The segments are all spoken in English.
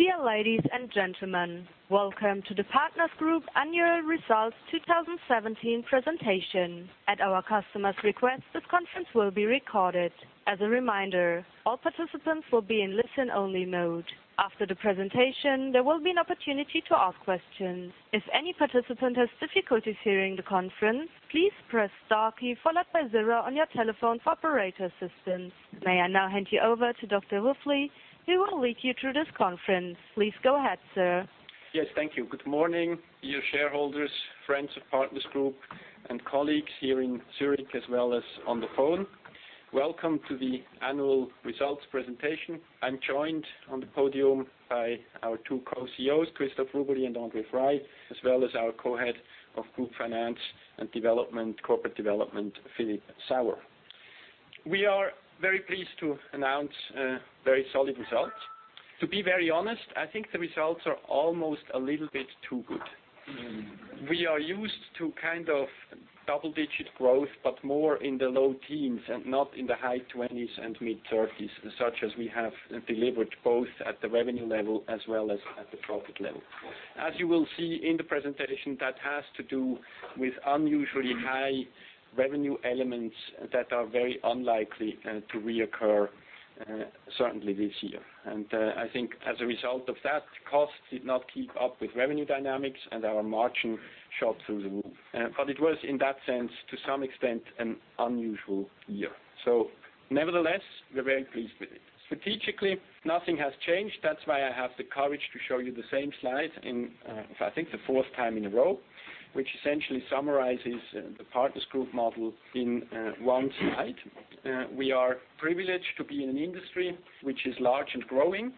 Dear ladies and gentlemen, welcome to the Partners Group Annual Results 2017 presentation. At our customers' request, this conference will be recorded. As a reminder, all participants will be in listen-only mode. After the presentation, there will be an opportunity to ask questions. If any participant has difficulties hearing the conference, please press star key followed by 0 on your telephone for operator assistance. May I now hand you over to Dr Wuffli, who will lead you through this conference. Please go ahead, sir. Yes, thank you. Good morning, dear shareholders, friends of Partners Group, and colleagues here in Zurich as well as on the phone. Welcome to the annual results presentation. I am joined on the podium by our two Co-CEOs, Christoph Rubeli and André Frei, as well as our Co-Head of Group Finance and Corporate Development, Philip Sauer. We are very pleased to announce very solid results. To be very honest, I think the results are almost a little bit too good. We are used to double-digit growth, but more in the low teens and not in the high 20s and mid-30s, such as we have delivered both at the revenue level as well as at the profit level. As you will see in the presentation, that has to do with unusually high revenue elements that are very unlikely to reoccur, certainly this year. I think as a result of that, costs did not keep up with revenue dynamics, and our margin shot through the roof. It was, in that sense, to some extent, an unusual year. Nevertheless, we are very pleased with it. Strategically, nothing has changed. That is why I have the courage to show you the same slide in, I think, the fourth time in a row, which essentially summarizes the Partners Group model in one slide. We are privileged to be in an industry which is large and growing.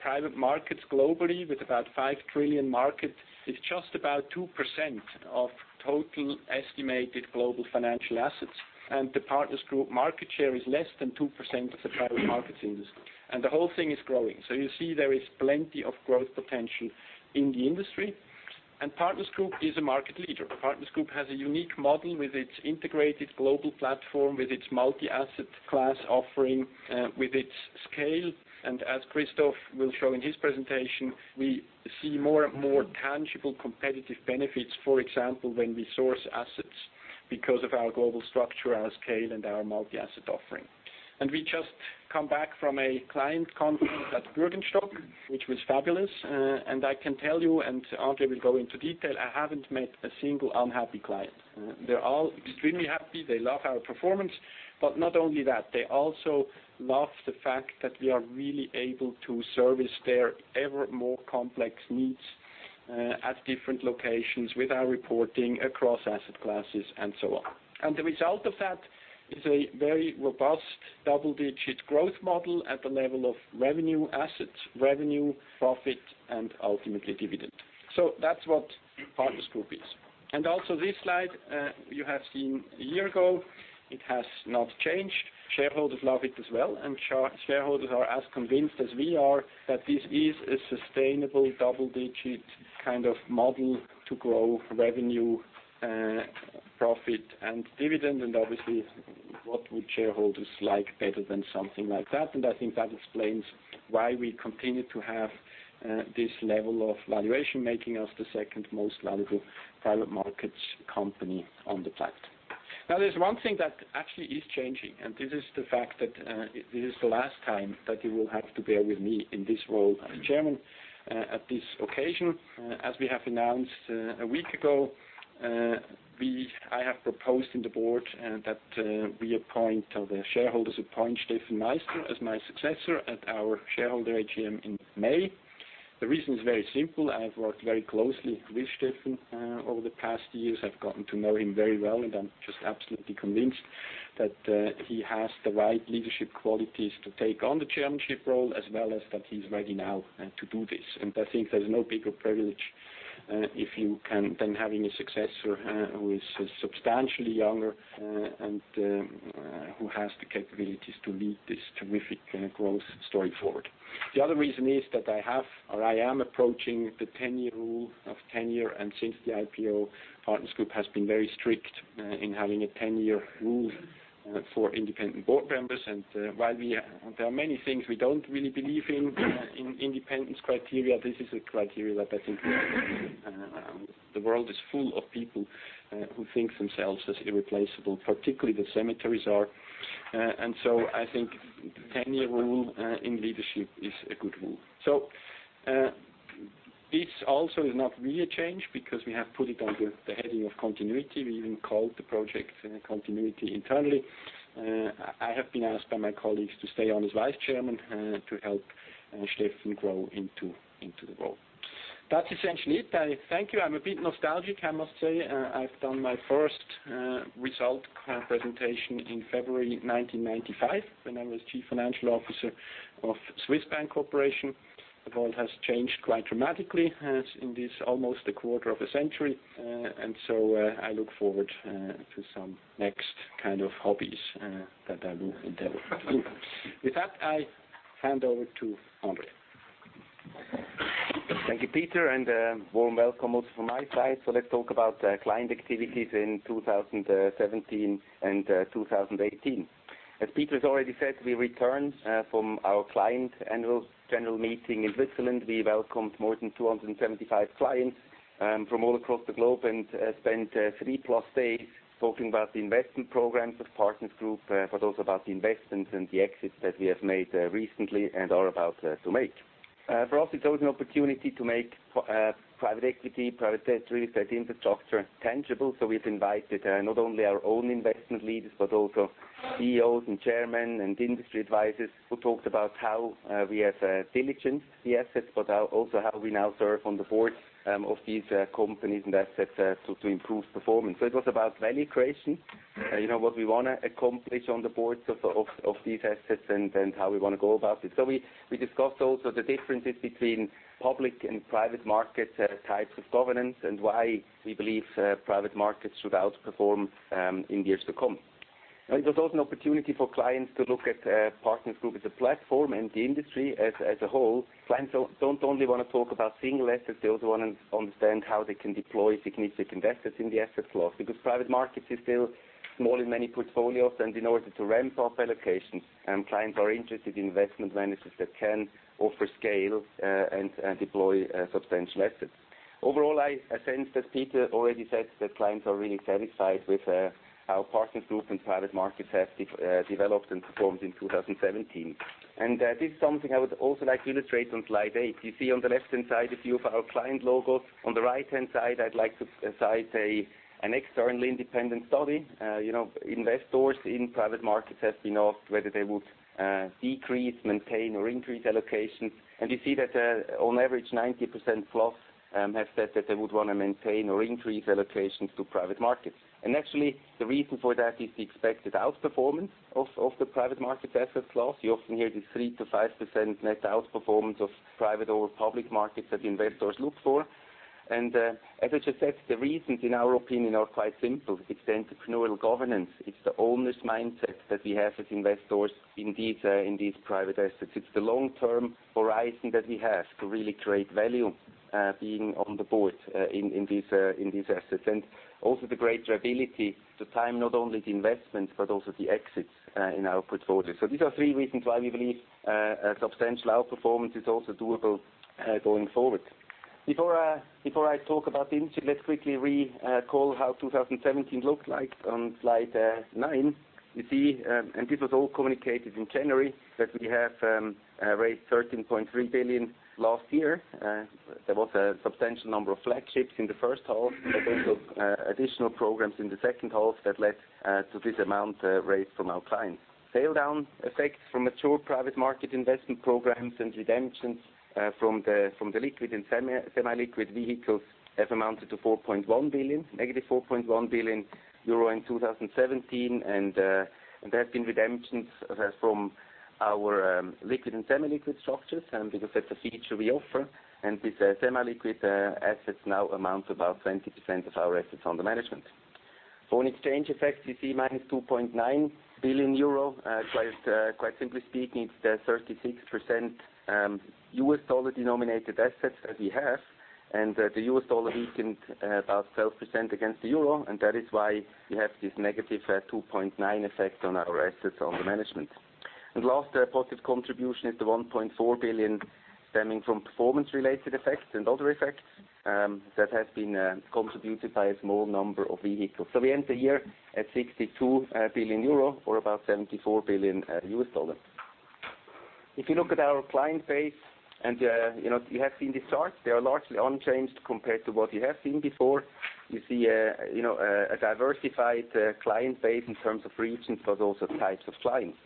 Private markets globally with about 5 trillion market is just about 2% of total estimated global financial assets. The Partners Group market share is less than 2% of the private markets industry, and the whole thing is growing. You see, there is plenty of growth potential in the industry. Partners Group is a market leader. Partners Group has a unique model with its integrated global platform, with its multi-asset class offering, with its scale. As Christoph will show in his presentation, we see more and more tangible competitive benefits. For example, when we source assets because of our global structure, our scale, and our multi-asset offering. We just come back from a client conference at Bürgenstock, which was fabulous. I can tell you, and André will go into detail, I have not met a single unhappy client. They are all extremely happy. They love our performance. Not only that, they also love the fact that we are really able to service their ever more complex needs at different locations with our reporting across asset classes and so on. The result of that is a very robust double-digit growth model at the level of revenue assets, revenue, profit, and ultimately dividend. That's what Partners Group is. Also this slide you have seen a year ago, it has not changed. Shareholders love it as well. Shareholders are as convinced as we are that this is a sustainable double-digit kind of model to grow revenue, profit, and dividend. Obviously, what would shareholders like better than something like that? I think that explains why we continue to have this level of valuation, making us the second most valuable private markets company on the planet. There's one thing that actually is changing, and this is the fact that this is the last time that you will have to bear with me in this role as chairman at this occasion. As we have announced a week ago, I have proposed in the board that we appoint, or the shareholders appoint Steffen Meister as my successor at our shareholder AGM in May. The reason is very simple. I've worked very closely with Steffen over the past years. I've gotten to know him very well, and I'm just absolutely convinced that he has the right leadership qualities to take on the chairmanship role, as well as that he's ready now to do this. I think there's no bigger privilege than having a successor who is substantially younger and who has the capabilities to lead this terrific growth story forward. The other reason is that I have, or I am approaching the tenure rule of tenure. Since the IPO, Partners Group has been very strict in having a tenure rule for independent board members. While there are many things we don't really believe in independence criteria, this is a criteria that I think the world is full of people who think themselves as irreplaceable, particularly the cemeteries are. I think tenure rule in leadership is a good rule. This also is not really a change because we have put it under the heading of continuity. We even called the project continuity internally. I have been asked by my colleagues to stay on as vice-chairman to help Steffen grow into the role. That's essentially it. Thank you. I'm a bit nostalgic, I must say. I've done my first result presentation in February 1995 when I was chief financial officer of Swiss Bank Corporation. The world has changed quite dramatically in this almost a quarter of a century. I look forward to some next kind of hobbies that I will endeavor in. With that, I hand over to André. Thank you, Peter, and a warm welcome also from my side. Let's talk about client activities in 2017 and 2018. As Peter has already said, we returned from our client annual general meeting in Switzerland. We welcomed more than 275 clients from all across the globe and spent three-plus days talking about the investment programs of Partners Group, about the investments and the exits that we have made recently and are about to make. For us, it was an opportunity to make private equity, private debt, real estate infrastructure tangible. We've invited not only our own investment leaders, CEOs, chairmen, and industry advisors who talked about how we have diligent the assets, how we now serve on the boards of these companies and assets to improve performance. It was about value creation, what we want to accomplish on the boards of these assets, and how we want to go about it. We discussed also the differences between public and private market types of governance, and why we believe private markets should outperform in the years to come. It was also an opportunity for clients to look at Partners Group as a platform and the industry as a whole. Clients don't only want to talk about single assets, they also want to understand how they can deploy significant assets in the asset class, because private markets is still small in many portfolios. In order to ramp up allocations, clients are interested in investment managers that can offer scale and deploy substantial assets. Overall, I sense that Peter already said that clients are really satisfied with how Partners Group and private markets have developed and performed in 2017. This is something I would also like to illustrate on slide eight. You see on the left-hand side a few of our client logos. On the right-hand side, I'd like to cite an externally independent study. Investors in private markets have been asked whether they would decrease, maintain, or increase allocations. You see that on average, 90% plus have said that they would want to maintain or increase allocations to private markets. Actually, the reason for that is the expected outperformance of the private market asset class. You often hear this 3%-5% net outperformance of private over public markets that investors look for. As I just said, the reasons in our opinion, are quite simple. It's the entrepreneurial governance, it's the owner's mindset that we have as investors in these private assets. It's the long-term horizon that we have to really create value being on the board in these assets, and also the greater ability to time not only the investments but also the exits in our portfolios. These are three reasons why we believe substantial outperformance is also doable going forward. Before I talk about the industry, let's quickly recall how 2017 looked like on slide nine. You see, this was all communicated in January, that we have raised $13.3 billion last year. There was a substantial number of flagships in the first half, additional programs in the second half that led to this amount raised from our clients. Tail down effects from mature private market investment programs and redemptions from the liquid and semi-liquid vehicles have amounted to -4.1 billion euro in 2017. There have been redemptions from our liquid and semi-liquid structures, and because that is a feature we offer, these semi-liquid assets now amount to about 20% of our AUM. Foreign exchange effects, you see -2.9 billion euro. Quite simply speaking, it is the 36% U.S. dollar-denominated assets that we have, and the U.S. dollar weakened about 12% against the euro, and that is why we have this -2.9 effect on our AUM. Last positive contribution is the 1.4 billion stemming from performance-related effects and other effects that have been contributed by a small number of vehicles. We end the year at 62 billion euro or about $74 billion. If you look at our client base, you have seen these charts, they are largely unchanged compared to what you have seen before. You see a diversified client base in terms of regions but also types of clients.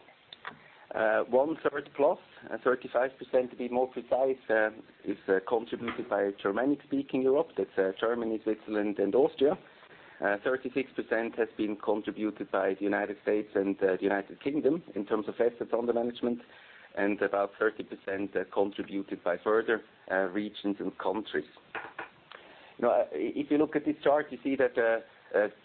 One third plus, 35% to be more precise, is contributed by Germanic-speaking Europe. That is Germany, Switzerland, and Austria. 36% has been contributed by the U.S. and the U.K. in terms of AUM, and about 30% contributed by further regions and countries. If you look at this chart, you see that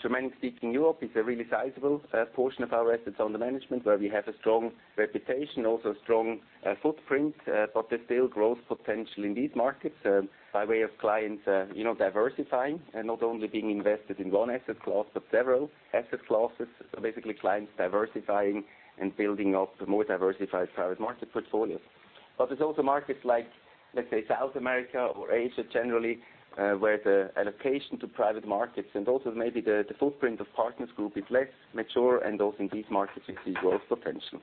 Germanic-speaking Europe is a really sizable portion of our AUM, where we have a strong reputation, also a strong footprint. But there is still growth potential in these markets by way of clients diversifying and not only being invested in one asset class but several asset classes. Basically clients diversifying and building up more diversified private market portfolios. But there is also markets like, let us say, South America or Asia generally, where the allocation to private markets and also maybe the footprint of Partners Group is less mature and also in these markets, you see growth potential.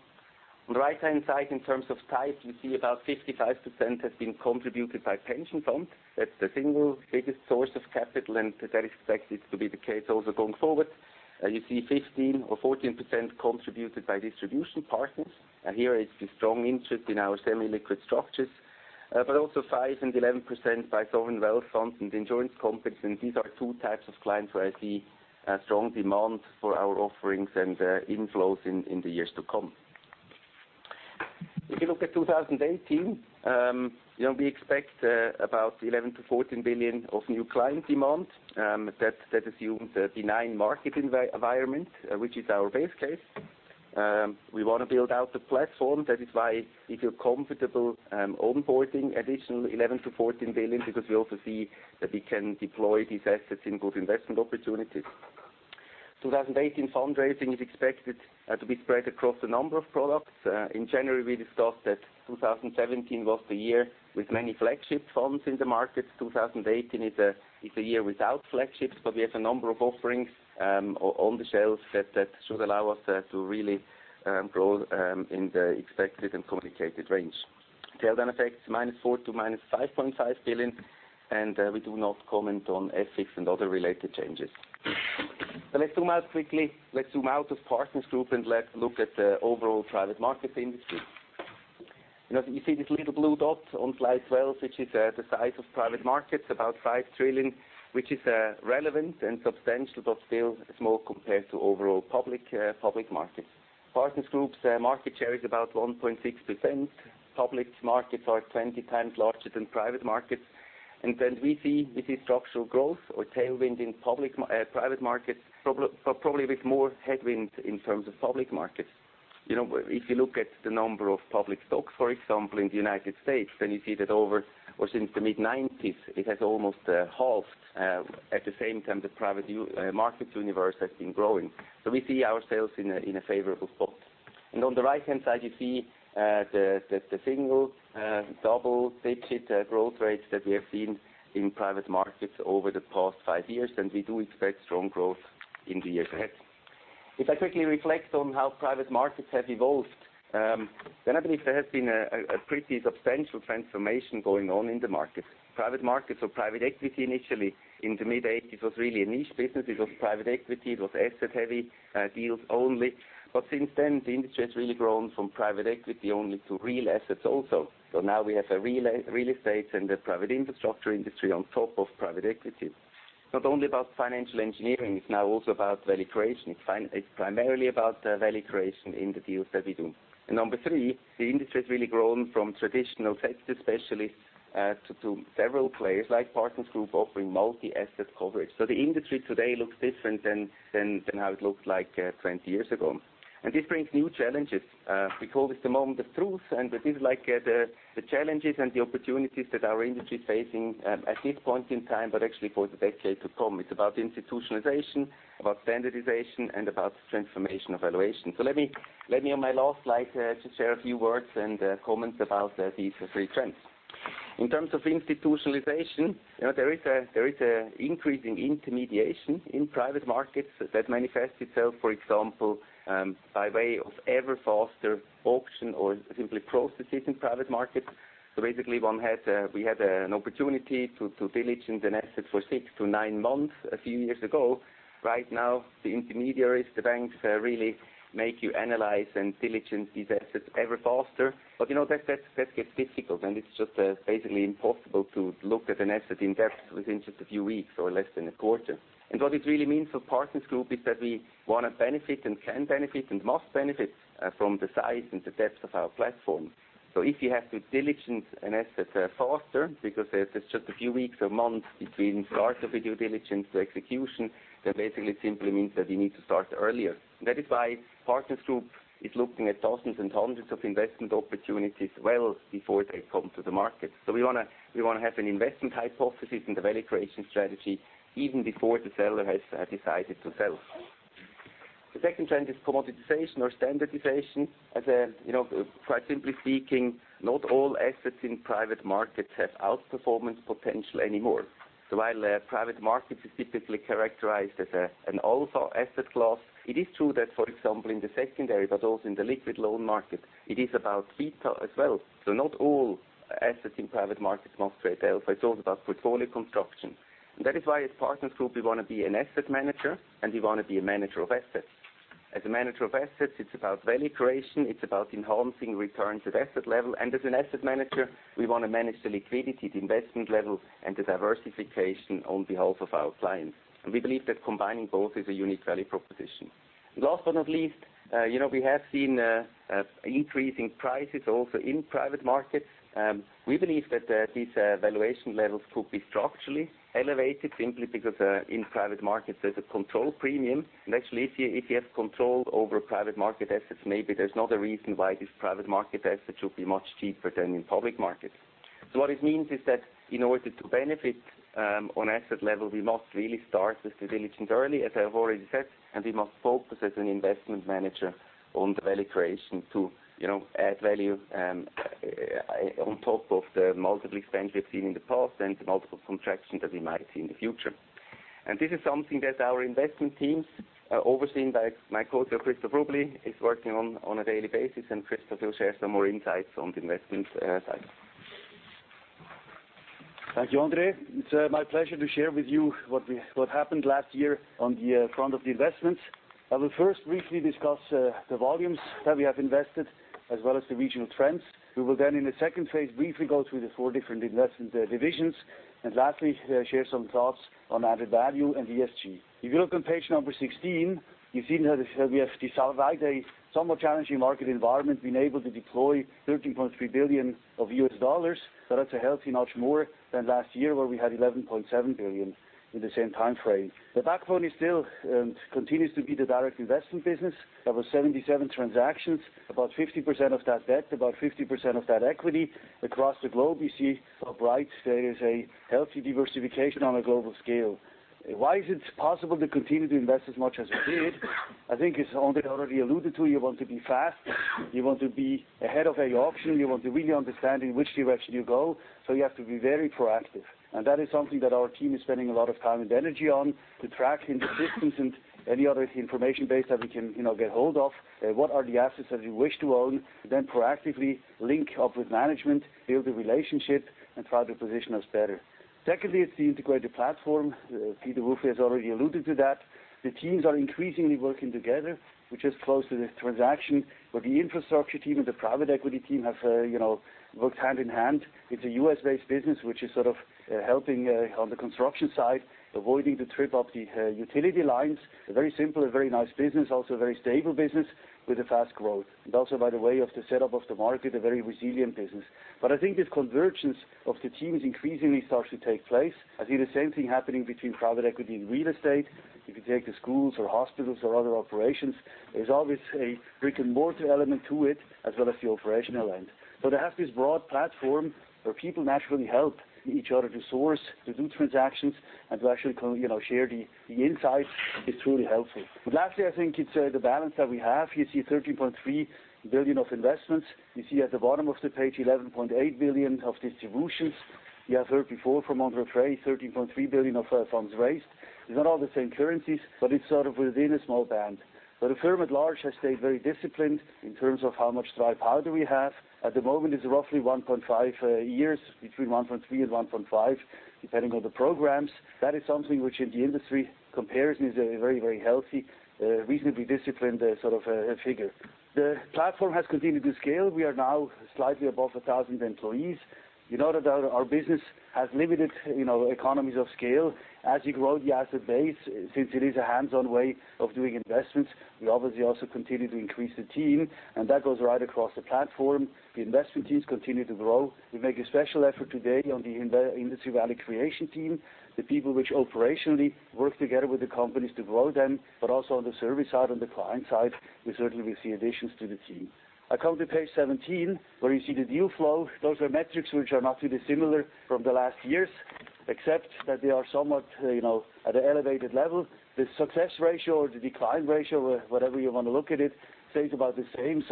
On the right-hand side in terms of type, you see about 55% has been contributed by pension funds. That is the single biggest source of capital, and that is expected to be the case also going forward. You see 15% or 14% contributed by distribution partners. Here it is the strong interest in our semi-liquid structures. Also 5% and 11% by sovereign wealth funds and insurance companies, and these are 2 types of clients where I see strong demand for our offerings and inflows in the years to come. If you look at 2018, we expect about 11 billion to 14 billion of new client demand. That assumes the benign market environment, which is our base case. We want to build out the platform. That is why we feel comfortable onboarding additional 11 billion to 14 billion because we also see that we can deploy these assets in good investment opportunities. 2018 fundraising is expected to be spread across a number of products. In January, we discussed that 2017 was the year with many flagship funds in the market. 2018 is a year without flagships, but we have a number of offerings on the shelf that should allow us to really grow in the expected and communicated range. Tail down effects -4 billion to -5.5 billion, and we do not comment on effects and other related changes. Let us zoom out quickly. Let's zoom out of Partners Group and let's look at the overall private market industry. You see this little blue dot on slide 12, which is the size of private markets, about 5 trillion, which is relevant and substantial, but still small compared to overall public markets. Partners Group's market share is about 1.6%. Public markets are 20 times larger than private markets. We see structural growth or tailwind in private markets, but probably with more headwind in terms of public markets. If you look at the number of public stocks, for example, in the U.S., you see that since the mid-'90s, it has almost halved. At the same time, the private markets universe has been growing. We see ourselves in a favorable spot. On the right-hand side, you see the single double-digit growth rates that we have seen in private markets over the past five years. We do expect strong growth in the years ahead. If I quickly reflect on how private markets have evolved, I believe there has been a pretty substantial transformation going on in the market. Private markets or private equity initially in the mid-'80s was really a niche business. It was private equity. It was asset-heavy deals only. Since then, the industry has really grown from private equity only to real assets also. Now we have a real estate and a private infrastructure industry on top of private equity. It's not only about financial engineering, it's now also about value creation. It's primarily about value creation in the deals that we do. Number 3, the industry has really grown from traditional sector specialists to several players like Partners Group offering multi-asset coverage. The industry today looks different than how it looked like 20 years ago. This brings new challenges. We call this the moment of truth, and this is the challenges and the opportunities that our industry is facing at this point in time, but actually for the decade to come. It's about institutionalization, about standardization, and about transformation of valuation. Let me, on my last slide, just share a few words and comments about these three trends. In terms of institutionalization, there is an increasing intermediation in private markets that manifests itself, for example, by way of ever faster auction or simply processes in private markets. Basically, we had an opportunity to diligence an asset for six to nine months a few years ago. Right now, the intermediaries, the banks really make you analyze and diligence these assets ever faster. That gets difficult, and it's just basically impossible to look at an asset in depth within just a few weeks or less than a quarter. What it really means for Partners Group is that we want to benefit and can benefit and must benefit from the size and the depth of our platform. If you have to diligence an asset faster because there's just a few weeks or months between start of due diligence to execution, that basically simply means that you need to start earlier. That is why Partners Group is looking at thousands and hundreds of investment opportunities well before they come to the market. We want to have an investment hypothesis and the value creation strategy even before the seller has decided to sell. The second trend is commoditization or standardization. Quite simply speaking, not all assets in private markets have outperformance potential anymore. While private markets is typically characterized as an alpha asset class, it is true that, for example, in the secondary, but also in the liquid loan market, it is about beta as well. Not all assets in private markets must create alpha. It is also about portfolio construction. That is why as Partners Group, we want to be an asset manager, and we want to be a manager of assets. As a manager of assets, it is about value creation. It is about enhancing returns at asset level. As an asset manager, we want to manage the liquidity, the investment level, and the diversification on behalf of our clients. We believe that combining both is a unique value proposition. Last but not least, we have seen increasing prices also in private markets. We believe that these valuation levels could be structurally elevated simply because in private markets, there's a control premium. Actually, if you have control over private market assets, maybe there's not a reason why this private market asset should be much cheaper than in public markets. What it means is that in order to benefit on asset level, we must really start with the diligence early, as I've already said, and we must focus as an investment manager on the value creation to add value on top of the multiple expansions we've seen in the past and the multiple contractions that we might see in the future. This is something that our investment teams, overseen by my Co-CEO, Christoph Rubeli, is working on a daily basis, and Christoph will share some more insights on the investment side. Thank you, André. It's my pleasure to share with you what happened last year on the front of the investments. I will first briefly discuss the volumes that we have invested as well as the regional trends. We will, in the second phase, briefly go through the four different investment divisions, lastly, share some thoughts on added value and ESG. If you look on page number 16, you see now that we have, despite a somewhat challenging market environment, been able to deploy $13.3 billion of US dollars. That's a healthy notch more than last year, where we had $11.7 billion in the same time frame. The backbone is still and continues to be the direct investment business. There was 77 transactions, about 50% of that debt, about 50% of that equity. Across the globe, we see a bright, healthy diversification on a global scale. Why is it possible to continue to invest as much as we did? I think as André already alluded to, you want to be fast, you want to be ahead of any option. You want to really understand in which direction you go. You have to be very proactive. That is something that our team is spending a lot of time and energy on, to track in the systems and any other information base that we can get hold of. What are the assets that we wish to own? Proactively link up with management, build a relationship, and try to position us better. Secondly, it's the integrated platform. Peter Wuffli has already alluded to that. The teams are increasingly working together, which is close to the transaction. The infrastructure team and the private equity team have worked hand in hand. It's a U.S.-based business, which is sort of helping on the construction side, avoiding to trip up the utility lines. A very simple and very nice business, also a very stable business with a fast growth. Also, by the way, of the setup of the market, a very resilient business. I think this convergence of the teams increasingly starts to take place. I see the same thing happening between private equity and real estate. If you take the schools or hospitals or other operations, there's always a brick-and-mortar element to it, as well as the operational end. To have this broad platform where people naturally help each other to source, to do transactions, and to actually share the insight is truly helpful. Lastly, I think it's the balance that we have. You see $13.3 billion of investments. You see at the bottom of the page, 11.8 billion of distributions. You have heard before from André Frei, $13.3 billion of funds raised. It's not all the same currencies, but it's sort of within a small band. The firm at large has stayed very disciplined in terms of how much dry powder we have. At the moment, it's roughly 1.5 years, between 1.3 and 1.5, depending on the programs. That is something which in the industry compares and is a very healthy, reasonably disciplined sort of figure. The platform has continued to scale. We are now slightly above 1,000 employees. You know that our business has limited economies of scale. As you grow the asset base, since it is a hands-on way of doing investments, we obviously also continue to increase the team, and that goes right across the platform. The investment teams continue to grow. We make a special effort today on the industry value creation team, the people which operationally work together with the companies to grow them, also on the service side and the client side, we certainly will see additions to the team. I come to page 17, where you see the deal flow. Those are metrics which are not too dissimilar from the last years, except that they are somewhat at an elevated level. The success ratio or the decline ratio, whatever you want to look at it, stays about the same.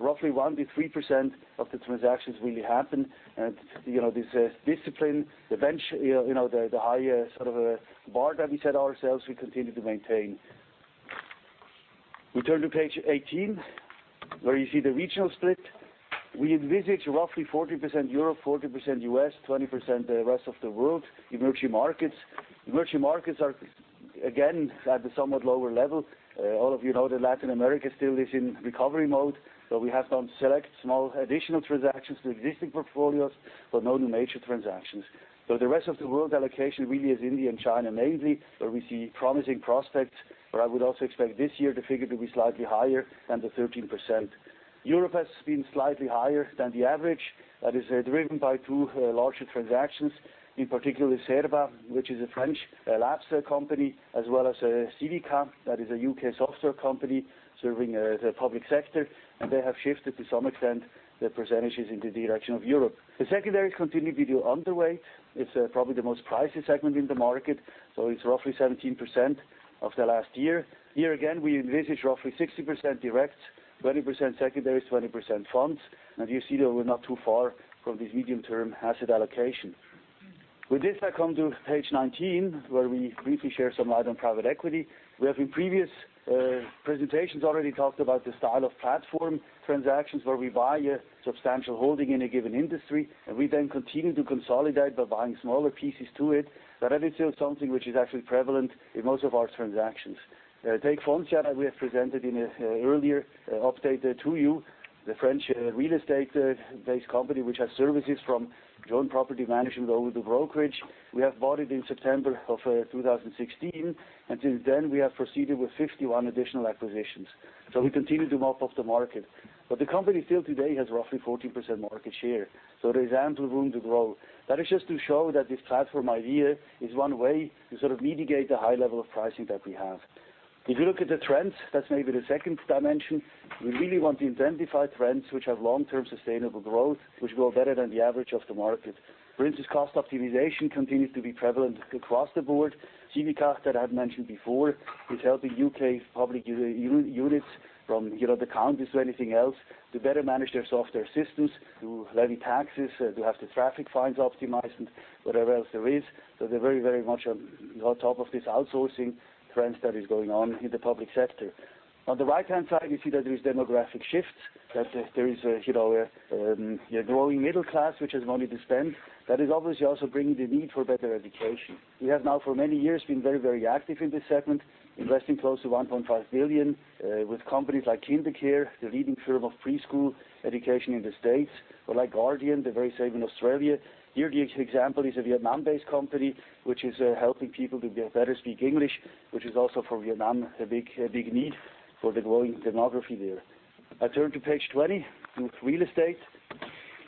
Roughly 1%-3% of the transactions really happen, and this discipline, the bench, the high sort of bar that we set ourselves, we continue to maintain. We turn to page 18, where you see the regional split. We envisage roughly 40% Europe, 40% U.S., 20% the rest of the world, emerging markets. Emerging markets are again at the somewhat lower level. All of you know that Latin America still is in recovery mode. We have done select small additional transactions to existing portfolios, but no new major transactions. The rest of the world allocation really is India and China mainly, where we see promising prospects, but I would also expect this year the figure to be slightly higher than the 13%. Europe has been slightly higher than the average. It is driven by two larger transactions, in particular Cerba, which is a French labs company, as well as Civica, that is a U.K. software company serving the public sector, and they have shifted to some extent the percentages in the direction of Europe. The secondaries continue to be underway. It's probably the most pricey segment in the market, so it's roughly 17% of the last year. Here again, we envisage roughly 60% direct, 20% secondaries, 20% funds. You see that we're not too far from this medium-term asset allocation. With this, I come to page 19, where we briefly share some light on private equity. We have in previous presentations already talked about the style of platform transactions where we buy a substantial holding in a given industry, and we then continue to consolidate by buying smaller pieces to it. That is still something which is actually prevalent in most of our transactions. Take Foncia, we have presented in an earlier update to you, the French real estate-based company which has services from joint property management over to brokerage. We have bought it in September of 2016, and till then, we have proceeded with 51 additional acquisitions, so we continue to mop up the market. The company still today has roughly 14% market share, so there is ample room to grow. That is just to show that this platform idea is one way to sort of mitigate the high level of pricing that we have. You look at the trends, that's maybe the second dimension. We really want to identify trends which have long-term sustainable growth, which grow better than the average of the market. For instance, cost optimization continues to be prevalent across the board. Civica, that I've mentioned before, is helping U.K. public units from the counties to anything else to better manage their software systems, to levy taxes, to have the traffic fines optimized, and whatever else there is. They're very much on top of this outsourcing trend that is going on in the public sector. On the right-hand side, you see that there is demographic shifts, that there is a growing middle class, which has money to spend. That is obviously also bringing the need for better education. We have now for many years been very active in this segment, investing close to 1.5 billion with companies like KinderCare, the leading firm of preschool education in the U.S., or like Guardian, the very same in Australia. Here, the example is a Vietnam-based company which is helping people to better speak English, which is also for Vietnam, a big need for the growing demography there. I turn to page 20 with real estate.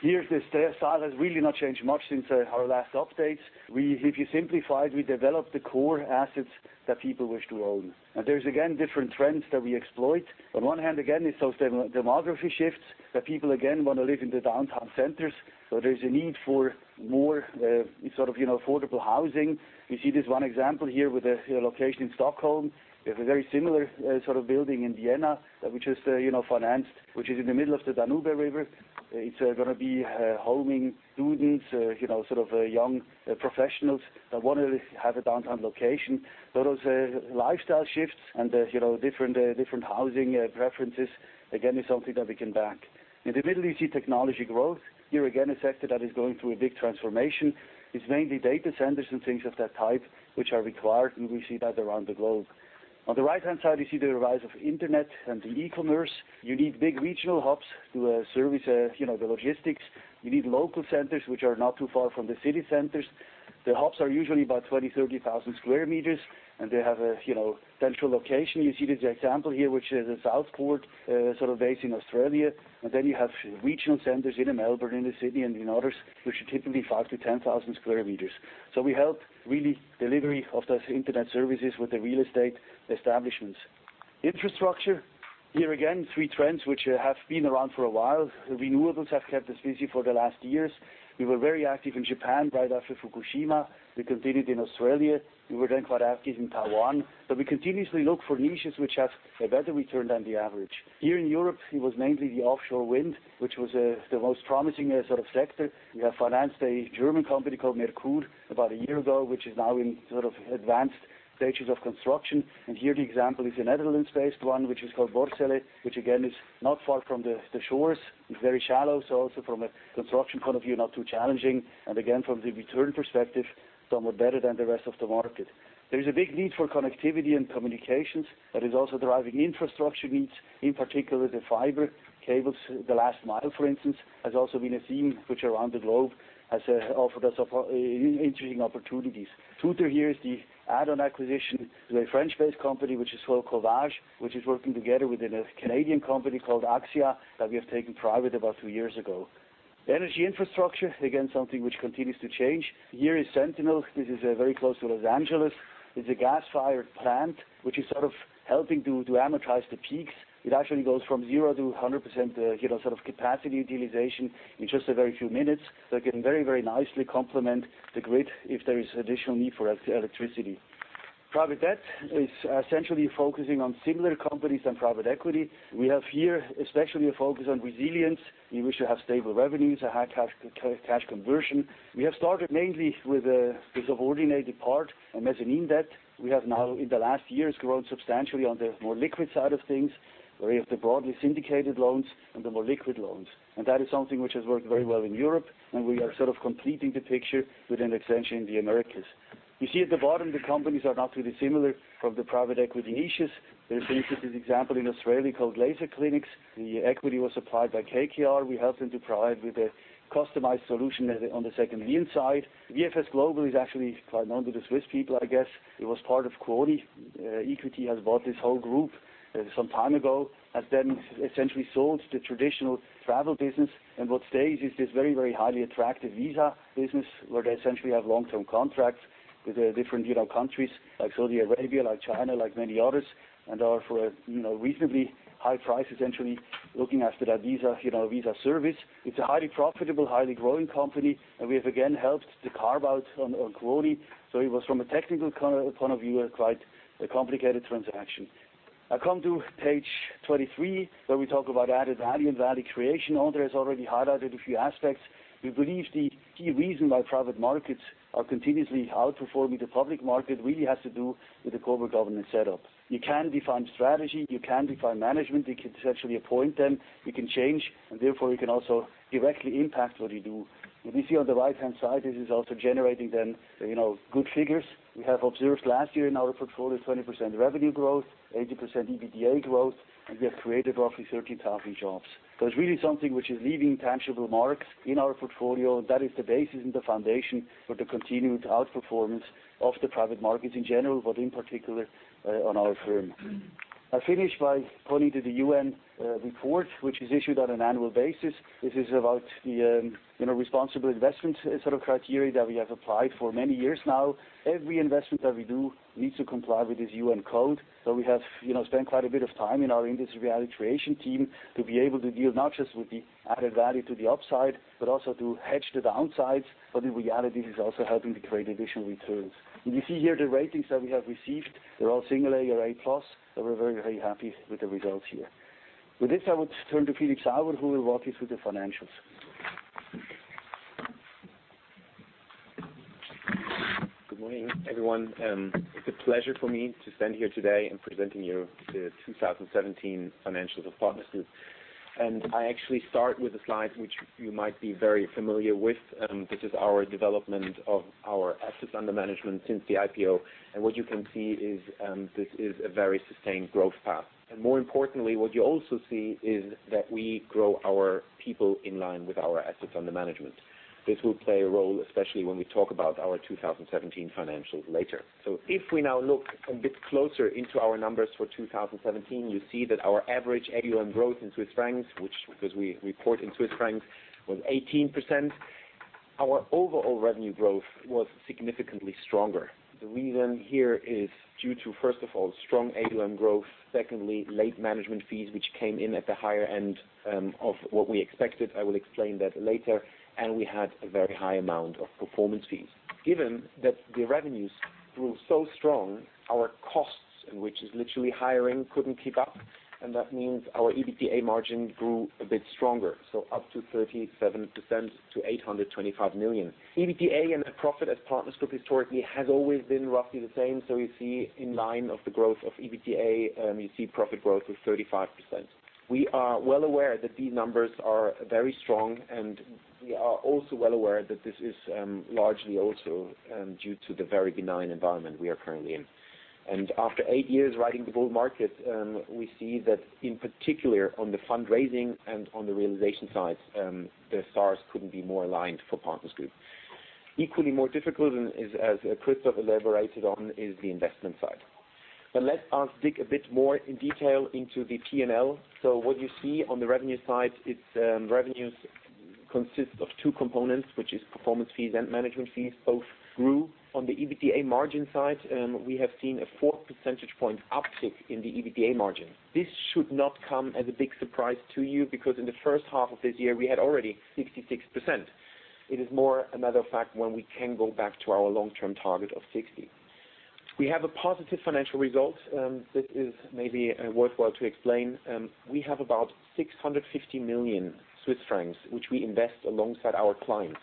Here, the style has really not changed much since our last update. You simplify it, we developed the core asset that people wish to own. There's again different trends that we exploit. On one hand, again, it's those demography shifts that people, again, want to live in the downtown centers. There's a need for more affordable housing. You see this one example here with a location in Stockholm. We have a very similar sort of building in Vienna, which is financed, which is in the middle of the Danube River. It's going to be homing students, young professionals that want to have a downtown location. Those lifestyle shifts and the different housing preferences, again, is something that we can back. In the middle, you see technology growth. Here again, a sector that is going through a big transformation. It's mainly data centers and things of that type, which are required, and we see that around the globe. On the right-hand side, you see the rise of internet and e-commerce. You need big regional hubs to service the logistics. You need local centers which are not too far from the city centers. The hubs are usually about 20,000, 30,000 sq m, and they have a central location. You see this example here, which is a Southport sort of base in Australia. Then you have regional centers in Melbourne, in Sydney, and in others, which are typically 5,000 to 10,000 sq m. We help really delivery of those internet services with the real estate establishments. Infrastructure. Here again, three trends which have been around for a while. Renewables have kept us busy for the last years. We were very active in Japan right after Fukushima. We continued in Australia. We were then quite active in Taiwan. We continuously look for niches which have a better return than the average. Here in Europe, it was mainly the offshore wind, which was the most promising sort of sector. We have financed a German company called Merkur about a year ago, which is now in advanced stages of construction. Here the example is a Netherlands-based one, which is called Borssele, which again is not far from the shores. It's very shallow, so also from a construction point of view, not too challenging. Again, from the return perspective, somewhat better than the rest of the market. There is a big need for connectivity and communications that is also deriving infrastructure needs, in particular the fiber cables. The last mile, for instance, has also been a theme which around the globe has offered us interesting opportunities. Two, three years, the add-on acquisition to a French-based company, which is called Covage, which is working together with a Canadian company called Axia that we have taken private about two years ago. Energy infrastructure, again, something which continues to change. Here is Sentinel. This is very close to Los Angeles. It's a gas-fired plant, which is sort of helping to amortize the peaks. It actually goes from 0% to 100% capacity utilization in just a very few minutes. It can very, very nicely complement the grid if there is additional need for electricity. Private debt is essentially focusing on similar companies and private equity. We have here especially a focus on resilience. We wish to have stable revenues and high cash conversion. We have started mainly with a subordinated part, a mezzanine debt. We have now, in the last years, grown substantially on the more liquid side of things, where we have the broadly syndicated loans and the more liquid loans. That is something which has worked very well in Europe, and we are sort of completing the picture with an extension in the Americas. You see at the bottom, the companies are not really similar from the private equity niches. There's an interesting example in Australia called Laser Clinics. The equity was supplied by KKR. We helped them to provide with a customized solution on the second lien side. VFS Global is actually quite known to the Swiss people, I guess. It was part of Kuoni. Equity has bought this whole group some time ago, has then essentially sold the traditional travel business. What stays is this very, very highly attractive visa business where they essentially have long-term contracts with different countries like Saudi Arabia, like China, like many others, and are for reasonably high price essentially looking after that visa service. It's a highly profitable, highly growing company, and we have again helped to carve out on Kuoni. It was from a technical point of view, a quite complicated transaction. I come to page 23, where we talk about added value and value creation. André has already highlighted a few aspects. We believe the key reason why private markets are continuously outperforming the public market really has to do with the corporate governance setup. You can define strategy, you can define management, you can essentially appoint them, you can change, and therefore you can also directly impact what you do. What you see on the right-hand side, this is also generating then good figures. We have observed last year in our portfolio 20% revenue growth, 80% EBITDA growth, and we have created roughly 13,000 jobs. It's really something which is leaving tangible marks in our portfolio. That is the basis and the foundation for the continued outperformance of the private markets in general, but in particular on our firm. I finish by pointing to the UN report, which is issued on an annual basis. This is about the responsible investment sort of criteria that we have applied for many years now. Every investment that we do needs to comply with this UN code. We have spent quite a bit of time in our industry value creation team to be able to deal not just with the added value to the upside, but also to hedge the downsides. In reality, this is also helping to create additional returns. When you see here the ratings that we have received, they're all single A or A+. We're very, very happy with the results here. With this, I would turn to Philip Sauer, who will walk you through the financials. Good morning, everyone. It's a pleasure for me to stand here today in presenting you the 2017 financials of Partners Group. I actually start with a slide which you might be very familiar with. This is our development of our assets under management since the IPO. What you can see is this is a very sustained growth path. More importantly, what you also see is that we grow our people in line with our assets under management. This will play a role, especially when we talk about our 2017 financials later. If we now look a bit closer into our numbers for 2017, you see that our average annual growth in CHF, which because we report in CHF, was 18%. Our overall revenue growth was significantly stronger. The reason here is due to, first of all, strong AUM growth, secondly, late management fees, which came in at the higher end of what we expected. I will explain that later. We had a very high amount of performance fees. Given that the revenues grew so strong, our costs, which is literally hiring, couldn't keep up. That means our EBITDA margin grew a bit stronger, up to 37% to 825 million. EBITDA and profit as Partners Group historically has always been roughly the same. You see in line of the growth of EBITDA, you see profit growth of 35%. We are well aware that these numbers are very strong. We are also well aware that this is largely also due to the very benign environment we are currently in. After eight years riding the bull market, we see that in particular on the fundraising and on the realization side, the stars couldn't be more aligned for Partners Group. Equally more difficult, as Christoph elaborated on, is the investment side. Let us dig a bit more in detail into the P&L. What you see on the revenue side, its revenues consist of two components, which is performance fees and management fees. Both grew. On the EBITDA margin side, we have seen a four percentage point uptick in the EBITDA margin. This should not come as a big surprise to you, because in the first half of this year, we had already 66%. It is more another fact when we can go back to our long-term target of 60%. We have a positive financial result. This is maybe worthwhile to explain. We have about 650 million Swiss francs, which we invest alongside our clients.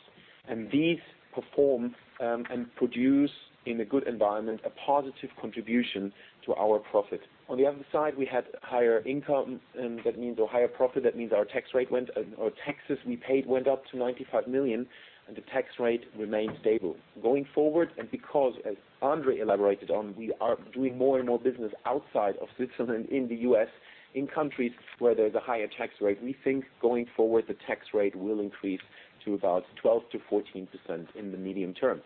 These perform and produce in a good environment, a positive contribution to our profit. On the other side, we had higher income. That means a higher profit. That means our taxes we paid went up to 95 million. The tax rate remained stable. Going forward, because, as André elaborated on, we are doing more and more business outside of Switzerland in the U.S., in countries where there's a higher tax rate, we think going forward, the tax rate will increase to about 12%-14% in the medium term.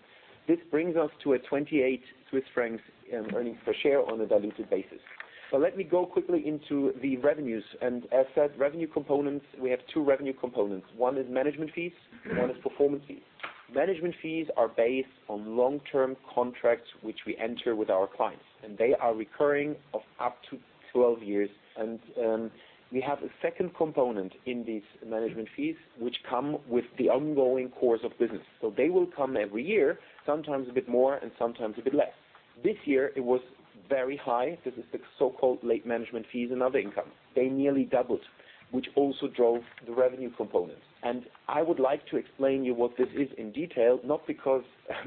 This brings us to a 28 Swiss francs earnings per share on a diluted basis. Let me go quickly into the revenues. As said, revenue components, we have two revenue components. One is management fees, one is performance fees. Management fees are based on long-term contracts, which we enter with our clients. They are recurring of up to 12 years. We have a second component in these management fees, which come with the ongoing course of business. They will come every year, sometimes a bit more and sometimes a bit less. This year it was very high. This is the so-called late management fees and other income. They nearly doubled, which also drove the revenue component. I would like to explain you what this is in detail, not because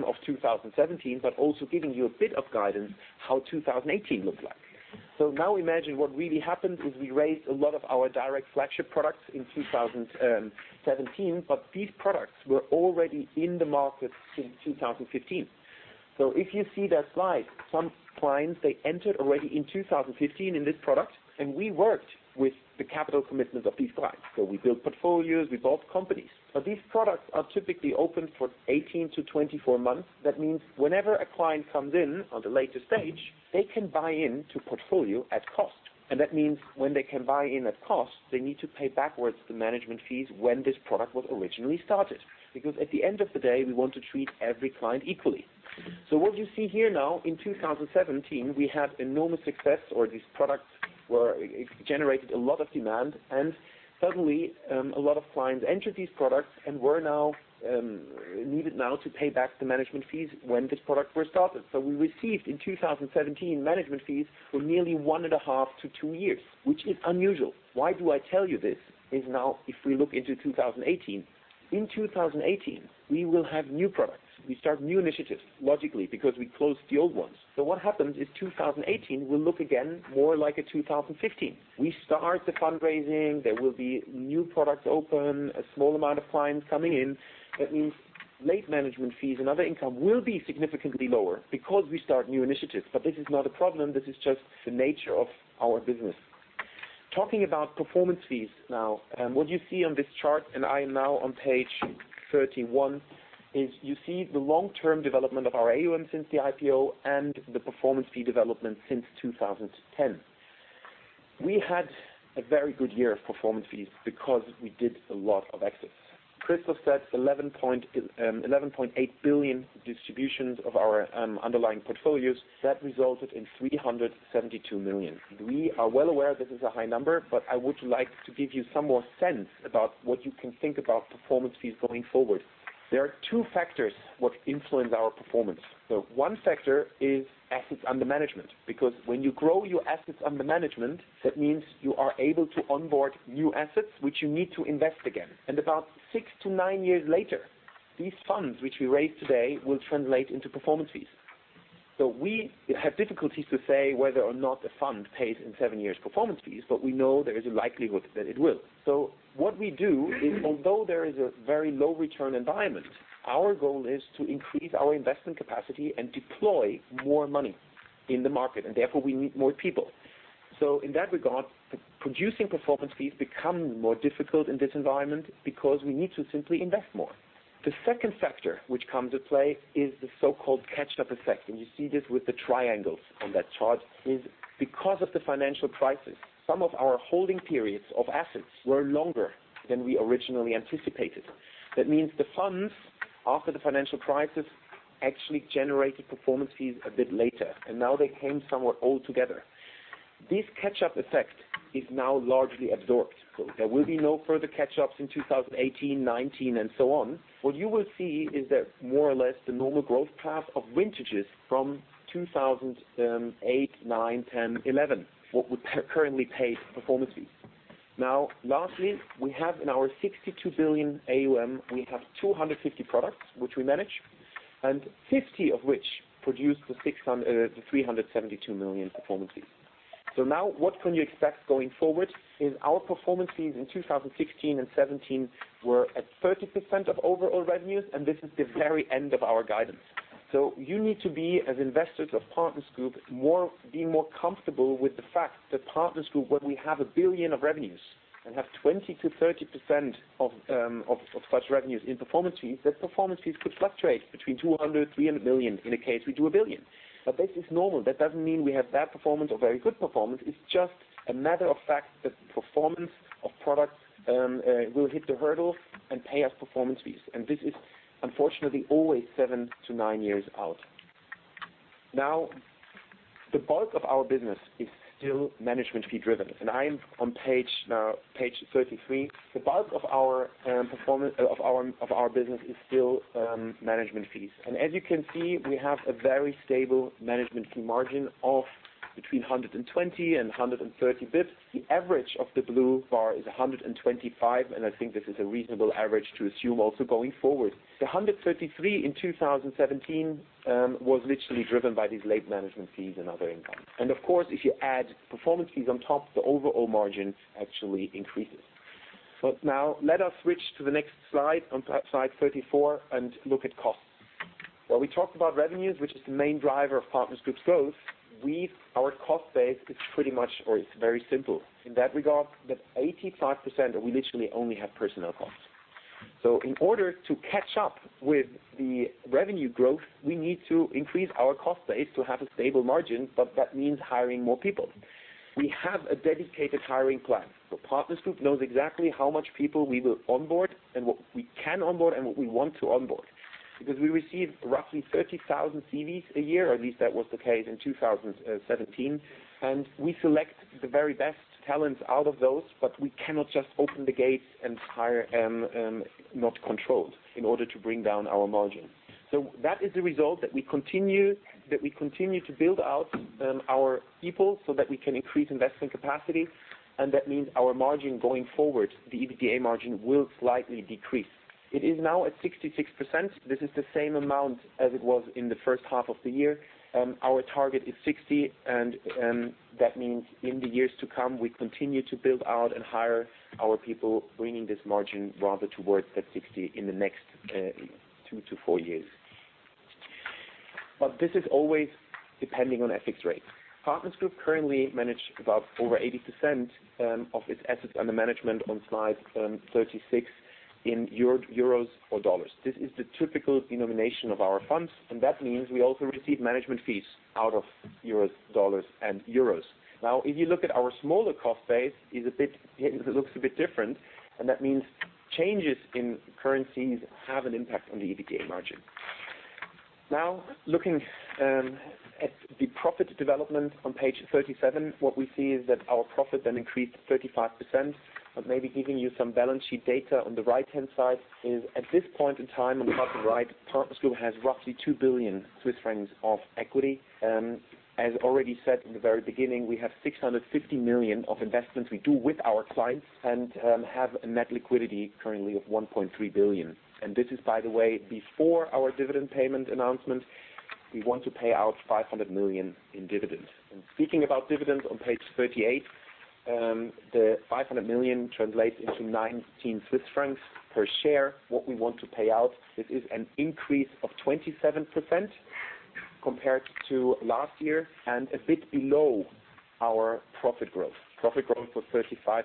of 2017, but also giving you a bit of guidance how 2018 looks like. Now imagine what really happened is we raised a lot of our direct flagship products in 2017, but these products were already in the market since 2015. If you see that slide, some clients, they entered already in 2015 in this product, we worked with the capital commitments of these clients. We built portfolios, we bought companies. These products are typically open for 18 to 24 months. That means whenever a client comes in on the later stage, they can buy in to portfolio at cost. That means when they can buy in at cost, they need to pay backwards the management fees when this product was originally started. At the end of the day, we want to treat every client equally. What you see here now, in 2017, we had enormous success, or these products generated a lot of demand, suddenly, a lot of clients entered these products and needed now to pay back the management fees when this product was started. We received in 2017 management fees for nearly one and a half to two years, which is unusual. Why do I tell you this? If we look into 2018. In 2018, we will have new products. We start new initiatives, logically, because we closed the old ones. What happens is 2018 will look again more like a 2015. We start the fundraising. There will be new products open, a small amount of clients coming in. That means late management fees and other income will be significantly lower because we start new initiatives. This is not a problem. This is just the nature of our business. Talking about performance fees now. What you see on this chart, and I am now on page 31, is you see the long-term development of our AUM since the IPO and the performance fee development since 2010. We had a very good year of performance fees because we did a lot of exits. Christoph said 11.8 billion distributions of our underlying portfolios. That resulted in 372 million. We are well aware this is a high number, but I would like to give you some more sense about what you can think about performance fees going forward. There are two factors what influence our performance. One factor is assets under management, because when you grow your assets under management, that means you are able to onboard new assets, which you need to invest again. About six to nine years later, these funds which we raise today will translate into performance fees. We have difficulties to say whether or not a fund pays in seven years performance fees, but we know there is a likelihood that it will. What we do is, although there is a very low return environment, our goal is to increase our investment capacity and deploy more money in the market, therefore, we need more people. In that regard, producing performance fees become more difficult in this environment because we need to simply invest more. The second factor which comes at play is the so-called catch-up effect, and you see this with the triangles on that chart, is because of the financial crisis, some of our holding periods of assets were longer than we originally anticipated. That means the funds after the financial crisis actually generated performance fees a bit later, now they came somewhat all together. This catch-up effect is now largely absorbed, there will be no further catch-ups in 2018, 2019, and so on. What you will see is that more or less the normal growth path of vintages from 2008, 2009, 2010, 2011, what would currently pay performance fees. Lastly, we have in our 62 billion AUM, we have 250 products which we manage, and 50 of which produce the 372 million performance fees. What can you expect going forward is our performance fees in 2016 and 2017 were at 30% of overall revenues, and this is the very end of our guidance. You need to be, as investors of Partners Group, be more comfortable with the fact that Partners Group, when we have 1 billion of revenues and have 20%-30% of such revenues in performance fees, that performance fees could fluctuate between 200 million-300 million in a case we do 1 billion. This is normal. That doesn't mean we have bad performance or very good performance. It's just a matter of fact that performance of products will hit the hurdle and pay us performance fees. This is unfortunately always seven to nine years out. The bulk of our business is still management fee driven, and I am on page 33. The bulk of our business is still management fees. As you can see, we have a very stable management fee margin of between 120 and 130 basis points. The average of the blue bar is 125, and I think this is a reasonable average to assume also going forward. The 133 in 2017 was literally driven by these late management fees and other income. Of course, if you add performance fees on top, the overall margin actually increases. Let us switch to the next slide, on slide 34, and look at costs. Where we talked about revenues, which is the main driver of Partners Group's growth, our cost base is pretty much, or it's very simple in that regard, that 85%, we literally only have personnel costs. In order to catch up with the revenue growth, we need to increase our cost base to have a stable margin, but that means hiring more people. We have a dedicated hiring plan. Partners Group knows exactly how much people we will onboard and what we can onboard and what we want to onboard. We receive roughly 30,000 CVs a year, at least that was the case in 2017, and we select the very best talents out of those, but we cannot just open the gates and hire not controlled in order to bring down our margin. That is the result that we continue to build out our people so that we can increase investment capacity, and that means our margin going forward, the EBITDA margin, will slightly decrease. It is now at 66%. This is the same amount as it was in the first half of the year. Our target is 60%, and that means in the years to come, we continue to build out and hire our people, bringing this margin rather towards that 60% in the next two to four years. This is always depending on FX rate. Partners Group currently manages over 80% of its assets under management on slide 36 in EUR or USD. This is the typical denomination of our funds. That means we also receive management fees out of EUR, USD, and EUR. If you look at our smaller cost base, it looks a bit different. That means changes in currencies have an impact on the EBITDA margin. Looking at the profit development on page 37, what we see is that our profit then increased 35%. Maybe giving you some balance sheet data on the right-hand side is at this point in time, in the top right, Partners Group has roughly 2 billion Swiss francs of equity. As already said in the very beginning, we have 650 million of investments we do with our clients and have a net liquidity currently of 1.3 billion. This is, by the way, before our dividend payment announcement. We want to pay out 500 million in dividends. Speaking about dividends on page 38, the 500 million translates into 19 Swiss francs per share. What we want to pay out, this is an increase of 27% compared to last year and a bit below our profit growth. Profit growth was 35%.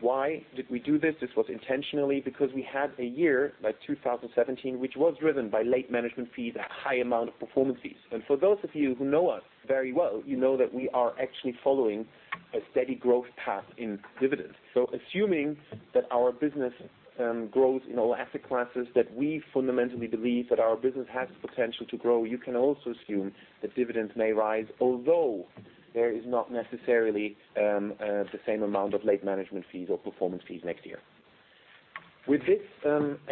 Why did we do this? This was intentionally because we had a year, like 2017, which was driven by late management fees, a high amount of performance fees. For those of you who know us very well, you know that we are actually following a steady growth path in dividends. Assuming that our business grows in all asset classes, that we fundamentally believe that our business has potential to grow, you can also assume that dividends may rise, although there is not necessarily the same amount of late management fees or performance fees next year. With this,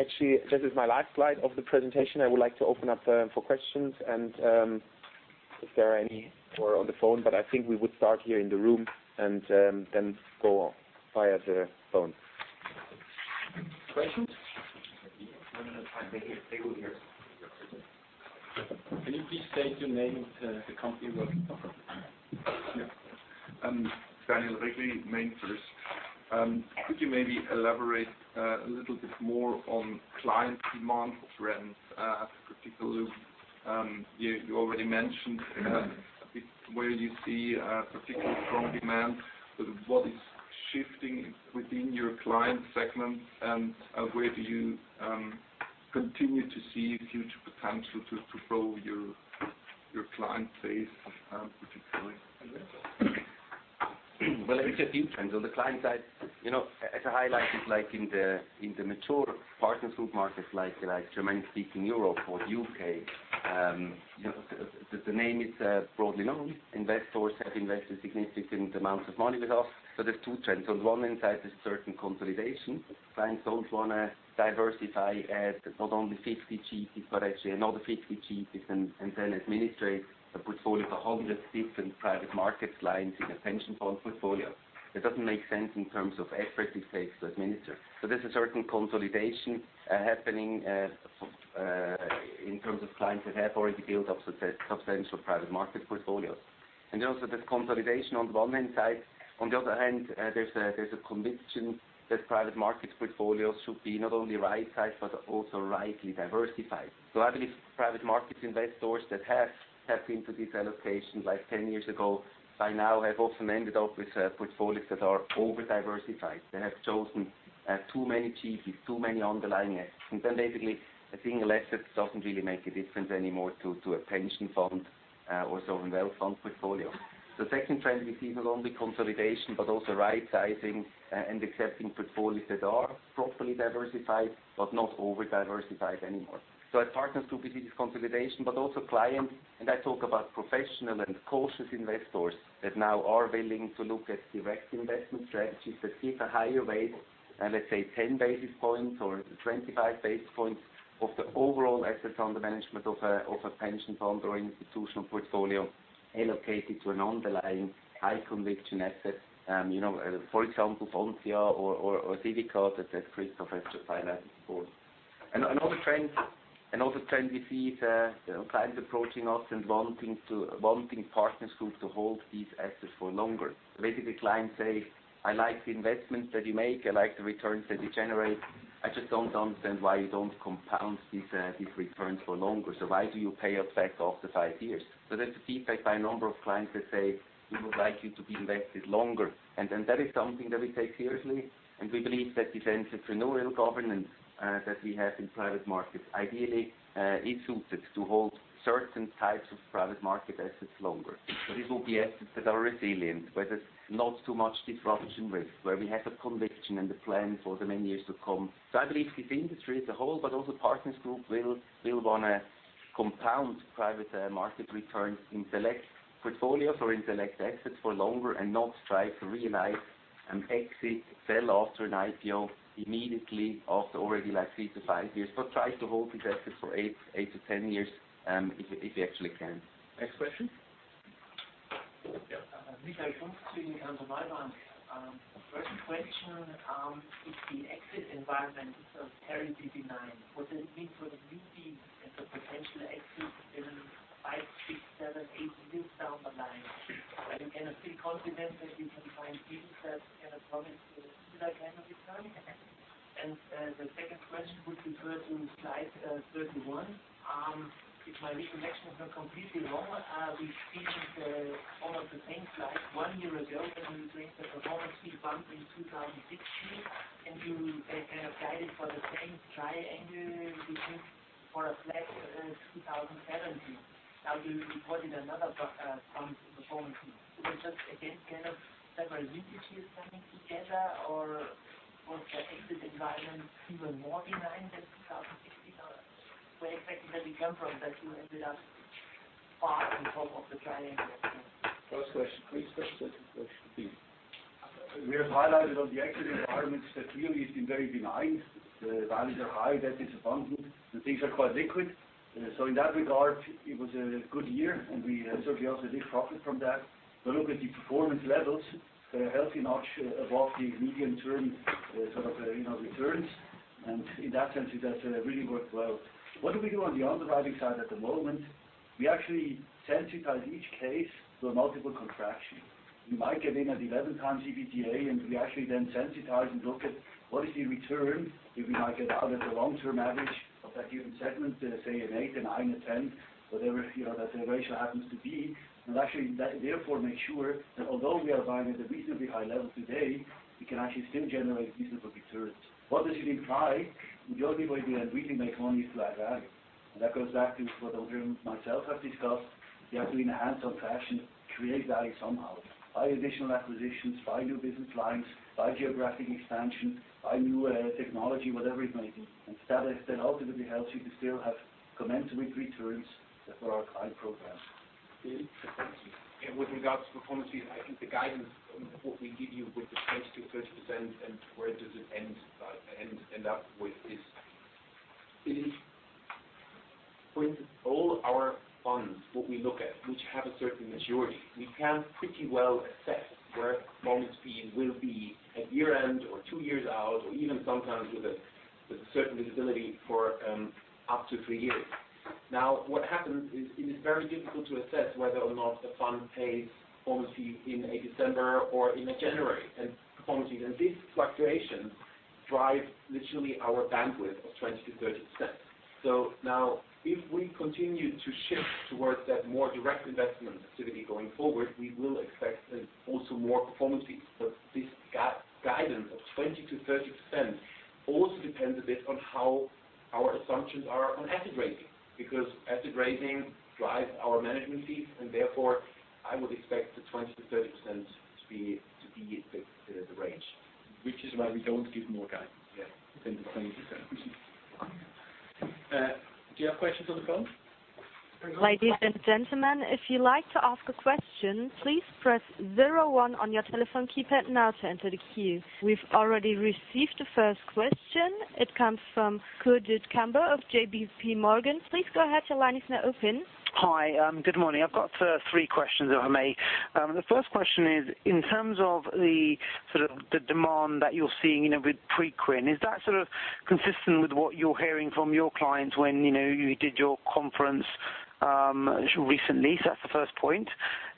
actually, this is my last slide of the presentation. I would like to open up for questions. If there are any who are on the phone, I think we would start here in the room and go via the phone. Questions? Limited time. They will hear us. Can you please state your name and the company you're working for? Daniel Regli, MainFirst. Could you maybe elaborate a little bit more on client demand trends, particularly you already mentioned a bit where you see a particularly strong demand, but what is shifting within your client segment and where do you continue to see huge potential to grow your client base, particularly in retail? Well, let me just give you trends on the client side. As a highlight is like in the mature Partners Group markets like German-speaking Europe or the U.K. The name is broadly known. Investors have invested significant amounts of money with us. There's two trends. On one end side, there's certain consolidation. Clients don't want to diversify as not only 50 GPs, but actually another 50 GPs and then administrate a portfolio of 100 different private market clients in a pension fund portfolio. That doesn't make sense in terms of effort it takes to administer. There's a certain consolidation happening in terms of clients that have already built up substantial private market portfolios. There's consolidation on the one end side. On the other hand, there's a conviction that private market portfolios should be not only right-sized but also rightly diversified. I believe private markets investors that have tapped into this allocation like 10 years ago, by now have often ended up with portfolios that are over-diversified. They have chosen too many GPs, too many underlying assets. Basically, a single asset doesn't really make a difference anymore to a pension fund or sovereign wealth fund portfolio. The second trend we see is only consolidation but also right-sizing and accepting portfolios that are properly diversified but not over-diversified anymore. At Partners Group, we see this consolidation, but also clients, and I talk about professional and cautious investors that now are willing to look at direct investment strategies that give a higher weight, let's say 10 basis points or 25 basis points of the overall assets under management of a pension fund or institutional portfolio allocated to an underlying high conviction asset. For example, Foncia or Civica that Christoph has just highlighted before. Another trend we see is clients approaching us and wanting Partners Group to hold these assets for longer. Basically, clients say, "I like the investments that you make. I like the returns that you generate. I just don't understand why you don't compound these returns for longer. Why do you pay us back after five years?" There's the feedback by a number of clients that say, "We would like you to be invested longer." That is something that we take seriously, and we believe that this entrepreneurial governance that we have in private markets ideally is suited to hold certain types of private market assets longer. These will be assets that are resilient, where there's not too much disruption risk, where we have the conviction and the plan for the many years to come. I believe this industry as a whole, but also Partners Group will want to compound private market returns in select portfolios or in select assets for longer and not try to realize an exit sell after an IPO immediately after already 3-5 years, but try to hold these assets for 8-10 years if we actually can. Next question. Yeah. Michael, Commerzbank. First question, if the exit environment is terribly benign, what does it mean for the BD and the potential exit in five, six, seven, eight years down the line? Are you going to feel confident that you can find deals that can promise a similar kind of return? The second question would refer to slide 31. If my recollection is not completely wrong, we've seen almost the same slide one year ago when we witnessed a performance fee bump in 2016, and you then guided for the same triangle, we think, for a flat 2017. Now you reported another bump in performance. Was it just again several BDs coming together, or was the exit environment even more benign than 2016? Or where exactly have you come from that you ended up far in front of the triangle? First question, please. First question, please. We have highlighted on the exit environments that really it's been very benign. The values are high, debt is abundant, and things are quite liquid. In that regard, it was a good year, and we certainly also did profit from that. Look at the performance levels, a healthy notch above the medium-term sort of returns. In that sense, it has really worked well. What do we do on the underwriting side at the moment? We actually sensitize each case to a multiple contraction. We might get in at 11x EBITDA, and we actually then sensitize and look at what is the return if we might get out at the long-term average of that given segment, say an eight, a nine, a 10, whatever that ratio happens to be. Actually, therefore, make sure that although we are buying at a reasonably high level today, we can actually still generate reasonable returns. What does it imply? The only way we can really make money is to add value. That goes back to what André and myself have discussed. We have to, in a hands-on fashion, create value somehow. Buy additional acquisitions, buy new business lines, buy geographic expansion, buy new technology, whatever it might be. That ultimately helps you to still have commensurate returns for our client programs. Bill? Thank you. With regards to performance fees, I think the guidance on what we give you with the 20%-30%, where does it end up with this? With all our funds, what we look at, which have a certain maturity, we can pretty well assess where performance fee will be at year-end or 2 years out, or even sometimes with a certain visibility for up to 3 years. What happens is it is very difficult to assess whether or not a fund pays performance fee in a December or in a January. Performance fees and these fluctuations drive literally our bandwidth of 20%-30%. If we continue to shift towards that more direct investment activity going forward, we will expect also more performance fee Guidance of 20%-30% also depends a bit on how our assumptions are on asset raising, because asset raising drives our management fees, and therefore, I would expect the 20%-30% to be the range. Which is why we don't give more guidance yet than the 20%. Do you have questions on the phone? Ladies and gentlemen, if you'd like to ask a question, please press 01 on your telephone keypad now to enter the queue. We've already received the first question. It comes from Gurjit Kambo of J.P. Morgan. Please go ahead, your line is now open. Hi. Good morning. I've got three questions, if I may. The first question is, in terms of the demand that you're seeing with Preqin, is that consistent with what you're hearing from your clients when you did your conference recently? That's the first point.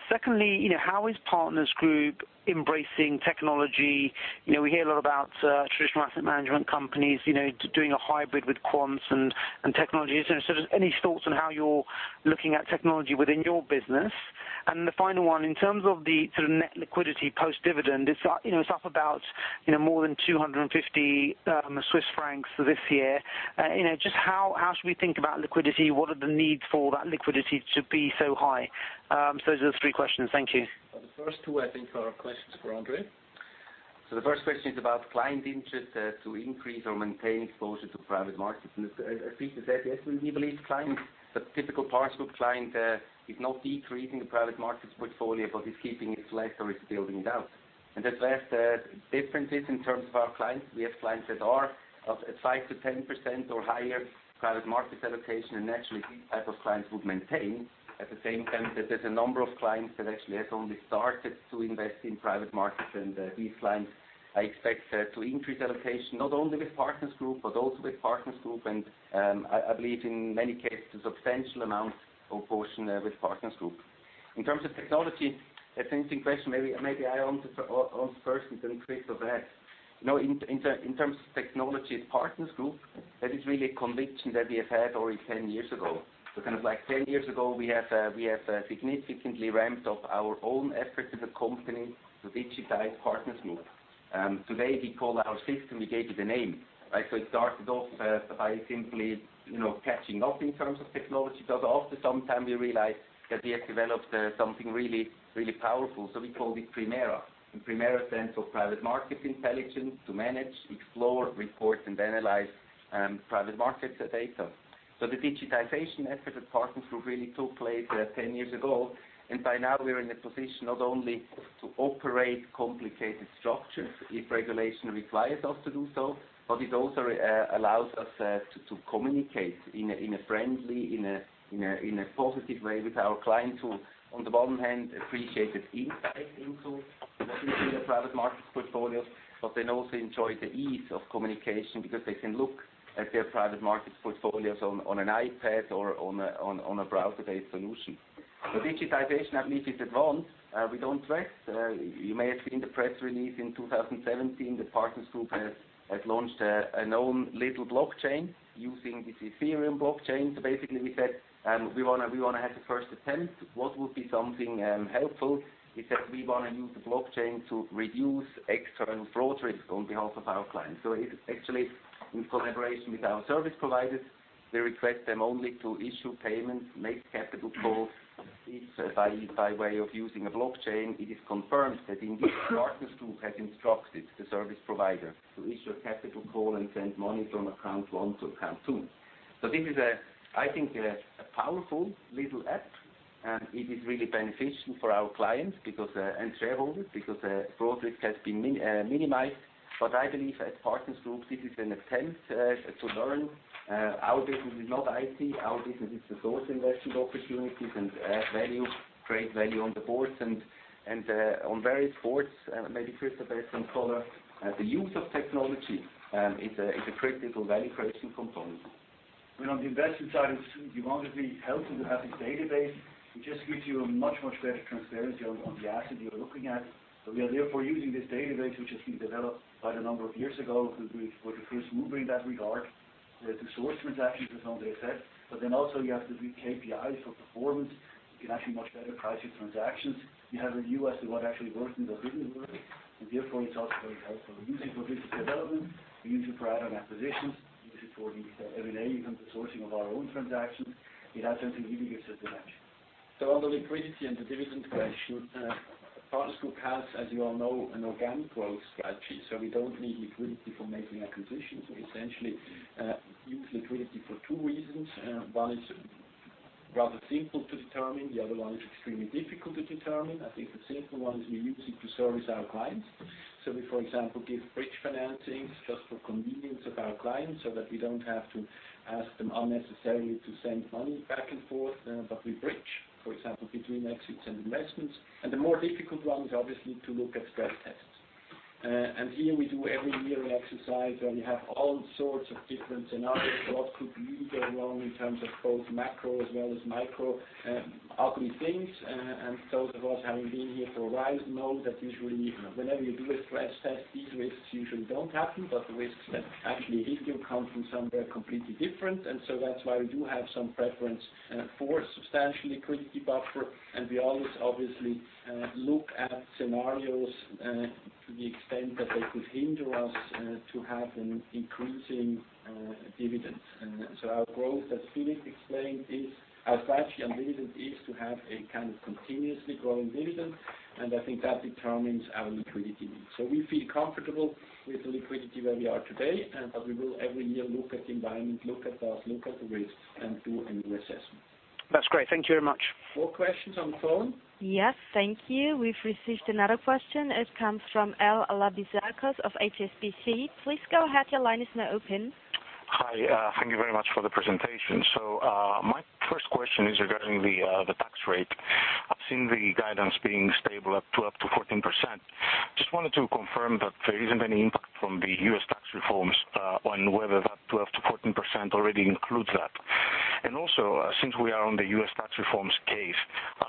Secondly, how is Partners Group embracing technology? We hear a lot about traditional asset management companies doing a hybrid with quants and technology. Just any thoughts on how you're looking at technology within your business? The final one, in terms of the net liquidity post-dividend, it's up about more than 250 Swiss francs this year. Just how should we think about liquidity? What are the needs for that liquidity to be so high? Those are the three questions. Thank you. The first two, I think, are questions for André. The first question is about client interest to increase or maintain exposure to private markets. As Christoph has said, yes, we believe the typical Partners Group client is not decreasing the private markets portfolio, but is keeping it flat or is building it out. There's less differences in terms of our clients. We have clients that are of 5%-10% or higher private markets allocation, and naturally, these type of clients would maintain. At the same time, there's a number of clients that actually have only started to invest in private markets, these clients I expect to increase allocation, not only with Partners Group but also with Partners Group, and I believe in many cases, substantial amount or portion there with Partners Group. In terms of technology, that's an interesting question. Maybe I answer first, and then Christoph after that. In terms of technology at Partners Group, that is really a conviction that we have had already 10 years ago. 10 years ago, we have significantly ramped up our own effort as a company to digitize Partners Group. Today, we call our system, we gave it a name. It started off by simply catching up in terms of technology, but after some time, we realized that we have developed something really powerful. We called it Primera. Primera stands for Private Markets Intelligence to Manage, Explore, Report and Analyze private markets data. The digitization effort at Partners Group really took place 10 years ago, by now, we are in a position not only to operate complicated structures if regulation requires us to do so, it also allows us to communicate in a friendly, in a positive way with our clients who on the one hand, appreciated insight into everything in the private markets portfolios, also enjoy the ease of communication because they can look at their private markets portfolios on an iPad or on a browser-based solution. Digitization, I believe, is advanced. We don't rest. You may have seen the press release in 2017 that Partners Group has launched an own little blockchain using this Ethereum blockchain. Basically, we said, we want to have the first attempt. What would be something helpful is that we want to use the blockchain to reduce external fraud risk on behalf of our clients. It is actually in collaboration with our service providers. We request them only to issue payments, make capital calls, each by way of using a blockchain. It is confirmed that indeed Partners Group has instructed the service provider to issue a capital call and send money from account one to account two. This is, I think, a powerful little app. It is really beneficial for our clients and shareholders because fraud risk has been minimized. I believe at Partners Group, this is an attempt to learn. Our business is not IT. Our business is to source investment opportunities and create value on the boards, on various boards, maybe Chris can add some color. The use of technology is a critical value creation component. On the investment side, it's obviously helpful to have this database. It just gives you a much, much better transparency on the asset you're looking at. We are therefore using this database, which has been developed quite a number of years ago. We were the first mover in that regard to source transactions, as André said. Also you have the KPIs for performance. You can actually much better price your transactions. You have a view as to what actually works in the business world, therefore it's also very helpful. We use it for business development, we use it for add-on acquisitions, we use it for the M&A, even the sourcing of our own transactions. It absolutely gives a dimension. On the liquidity and the dividend question, Partners Group has, as you all know, an organic growth strategy, we don't need liquidity for making acquisitions. We essentially use liquidity for two reasons. One is rather simple to determine, the other one is extremely difficult to determine. I think the simple one is we use it to service our clients. We, for example, give bridge financings just for convenience of our clients that we don't have to ask them unnecessarily to send money back and forth. We bridge, for example, between exits and investments. The more difficult one is obviously to look at stress tests. Here we do every year an exercise where we have all sorts of different scenarios, what could really go wrong in terms of both macro as well as micro, ugly things. Those of us having been here for a while know that usually whenever you do a stress test, these risks usually don't happen, but the risks that actually hit you come from somewhere completely different. That's why we do have some preference for substantial liquidity buffer, and we always obviously look at scenarios to the extent that they could hinder us to have an increasing dividend. Our growth, as Philip explained, our strategy on dividend is to have a kind of continuously growing dividend, and I think that determines our liquidity needs. We feel comfortable with the liquidity where we are today, and that we will every year look at the environment, look at us, look at the risks, and do a new assessment. That's great. Thank you very much. More questions on the phone? Yes. Thank you. We've received another question. It comes from L. Labiszakos of HSBC. Please go ahead, your line is now open. Hi. Thank you very much for the presentation. My first question is regarding the tax rate. I've seen the guidance being stable at 12%-14%. Just wanted to confirm that there isn't any impact from the U.S. tax reforms, on whether that 12%-14% already includes that. Also, since we are on the U.S. tax reforms case,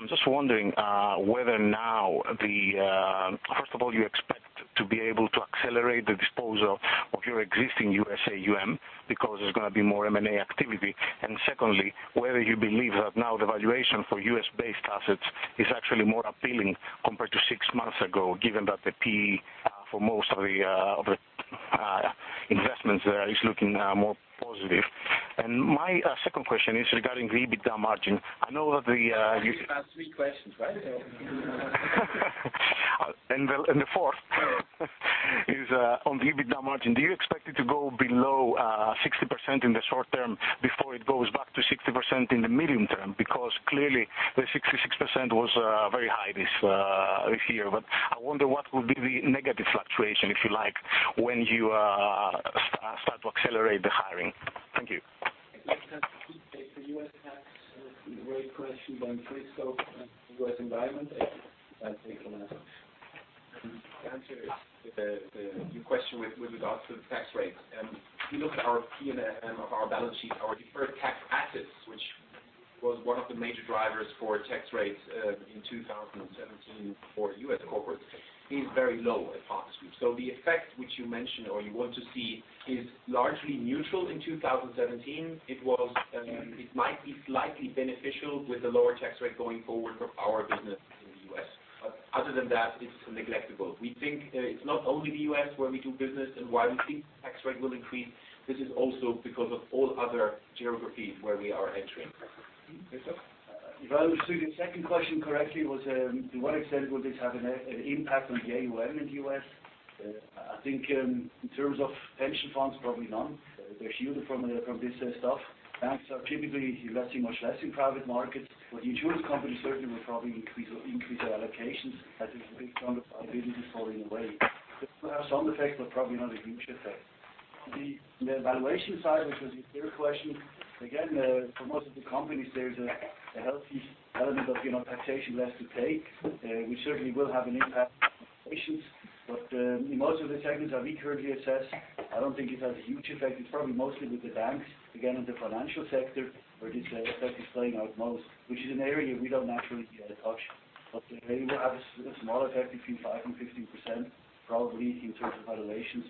I'm just wondering whether now, first of all, you expect to be able to accelerate the disposal of your existing USA AUM because there's going to be more M&A activity. Secondly, whether you believe that now the valuation for U.S.-based assets is actually more appealing compared to six months ago, given that the P for most of the investments there is looking more positive. My second question is regarding the EBITDA margin. You are allowed three questions, right? The fourth is on the EBITDA margin. Do you expect it to go below 60% in the short term before it goes back to 60% in the medium term? Clearly, the 66% was very high this year. I wonder what will be the negative fluctuation, if you like, when you start to accelerate the hiring. Thank you. Let's have the U.S. tax rate question, then Christoph, U.S. environment, I'll take the last one. To answer your question with regards to the tax rates. If you look at our P&L of our balance sheet, our deferred tax assets, which was one of the major drivers for tax rates in 2017 for U.S. corporates, is very low at Partners Group. The effect which you mentioned or you want to see is largely neutral in 2017. It might be slightly beneficial with the lower tax rate going forward for our business in the U.S. Other than that, it's neglectable. We think it's not only the U.S. where we do business and why we think the tax rate will increase. This is also because of all other geographies where we are entering. Christoph. If I understood your second question correctly, was to what extent would this have an impact on the AUM in the U.S.? I think in terms of pension funds, probably none. They're shielded from this stuff. Banks are typically investing much less in private markets, Insurance companies certainly will probably increase their allocations as this big chunk of liability is falling away. It will have some effect, probably not a huge effect. On the valuation side, which was your third question, again, for most of the companies, there's a healthy element of taxation left to take, which certainly will have an impact on valuations. In most of the segments that we currently assess, I don't think it has a huge effect. It's probably mostly with the banks, again, in the financial sector, where this effect is playing out most, which is an area we don't naturally touch. They will have a small effect between 5%-15%, probably, in terms of valuations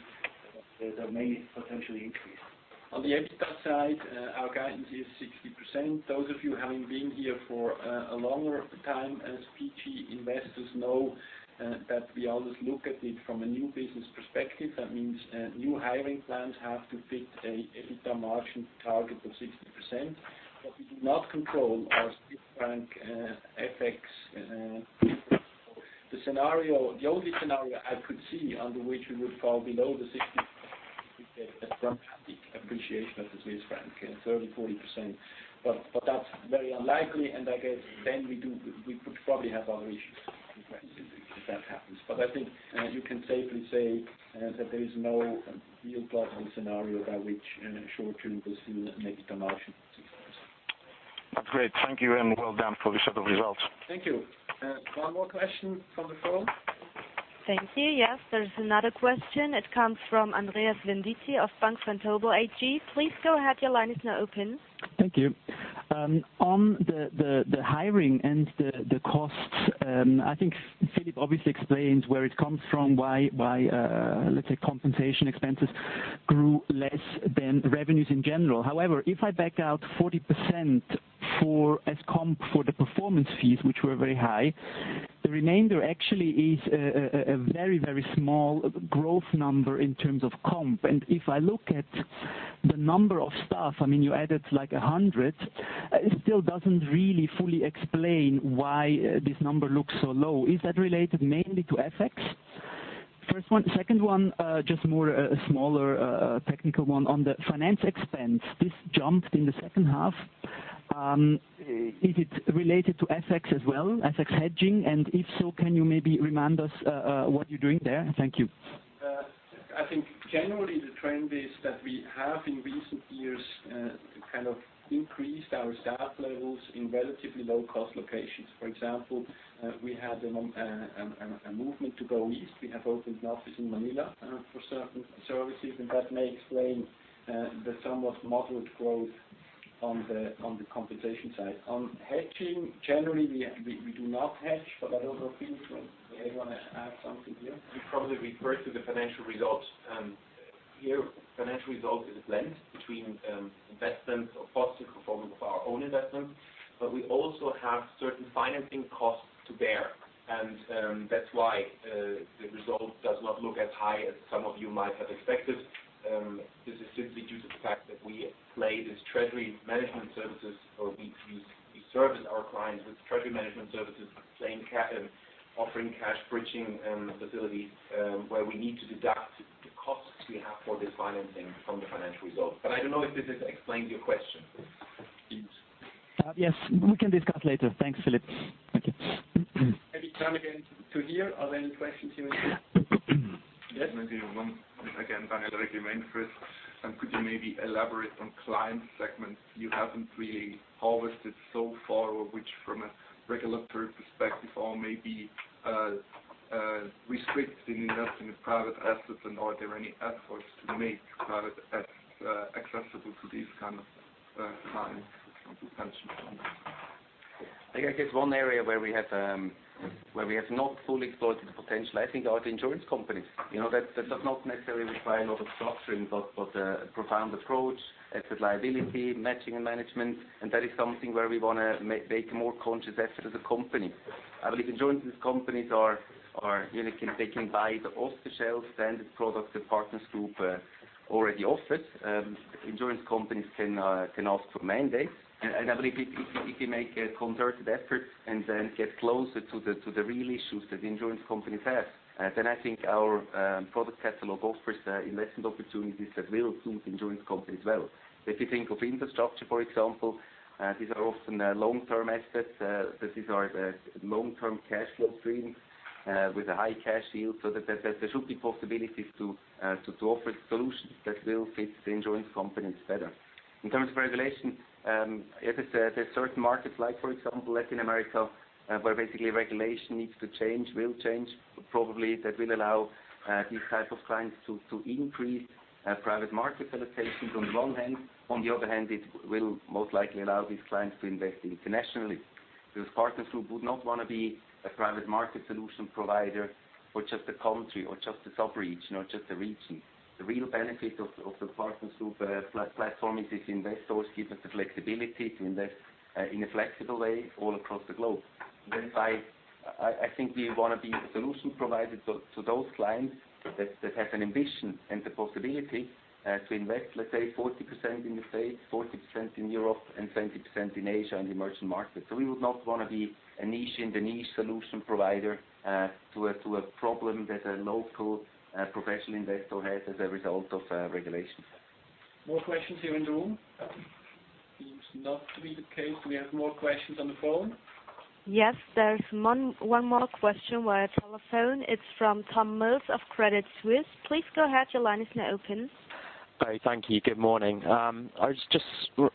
that may potentially increase. On the EBITDA side, our guidance is 60%. Those of you having been here for a longer time as PG investors know that we always look at it from a new business perspective. That means new hiring plans have to fit an EBITDA margin target of 60%. We do not control our Swiss franc FX. That's very unlikely, and I guess then we could probably have other issues if that happens. I think you can safely say that there is no real plausible scenario by which in the short term we'll see an EBITDA margin of 60%. That's great. Thank you, and well done for the set of results. Thank you. One more question from the phone? Thank you. Yes, there's another question. It comes from Andreas Venditti of Bank Vontobel AG. Please go ahead, your line is now open. Thank you. On the hiring and the costs, I think Philip obviously explains where it comes from, why, let's say compensation expenses grew less than revenues in general. However, if I back out 40% as comp for the performance fees, which were very high, the remainder actually is a very small growth number in terms of comp. If I look at the number of staff, you added 100, it still doesn't really fully explain why this number looks so low. Is that related mainly to FX? First one. Second one, just more a smaller technical one. On the finance expense, this jumped in the second half. Is it related to FX as well, FX hedging, and if so, can you maybe remind us what you're doing there? Thank you. I think generally the trend is that we have in recent years increased our staff levels in relatively low-cost locations. For example, we had a movement to go east. We have opened an office in Manila for certain services, that may explain the somewhat moderate growth on the compensation side. On hedging, generally, we do not hedge, I don't know, Philip, do you want to add something here? You probably refer to the financial results. Here, financial result is a blend between investments or positive performance of our own investments, we also have certain financing costs to bear, that's why the result does not look as high as some of you might have expected. This is simply due to the fact that we play this treasury management services, or we service our clients with treasury management services, offering cash bridging facilities, where we need to deduct the costs we have for this financing from the financial results. I don't know if this explains your question. Yes. We can discuss later. Thanks, Philip. Thank you. Maybe come again to here. Are there any questions here? Yes. Maybe one again, Daniel Regli, MainFirst. Could you maybe elaborate on client segments you haven't really harvested so far, which from a regulatory perspective or maybe restricted in investing in private assets, and are there any efforts to make private assets accessible to these kinds of clients or to pension funds? I guess one area where we have not fully exploited the potential, I think, are the insurance companies. That does not necessarily require a lot of structuring but a profound approach, asset liability, matching, and management, and that is something where we want to make more conscious effort as a company. I believe They can buy the off-the-shelf standard product that Partners Group already offers. Insurance companies can ask for mandates. I believe if you make a concerted effort and then get closer to the real issues that insurance companies have, then I think our product catalog offers investment opportunities that will suit insurance companies well. If you think of infrastructure, for example, these are often long-term assets. These are long-term cash flow streams with a high cash yield. There should be possibilities to offer solutions that will fit the insurance companies better. In terms of regulation, as I said, there are certain markets like, for example, Latin America, where basically regulation needs to change, will change, probably that will allow these types of clients to increase private market allocations on the one hand. On the other hand, it will most likely allow these clients to invest internationally, because Partners Group would not want to be a private market solution provider for just a country or just a sub-region or just a region. The real benefit of the Partners Group platform is its investor base gives us the flexibility to invest in a flexible way all across the globe. I think we want to be a solution provider to those clients that have an ambition and the possibility to invest, let's say, 40% in the States, 40% in Europe, and 20% in Asia and emerging markets. We would not want to be a niche in the niche solution provider to a problem that a local professional investor has as a result of regulations. More questions here in the room? Seems not to be the case. Do we have more questions on the phone? Yes. There's one more question via telephone. It's from Tom Mills of Credit Suisse. Please go ahead. Your line is now open. Hi. Thank you. Good morning. I was just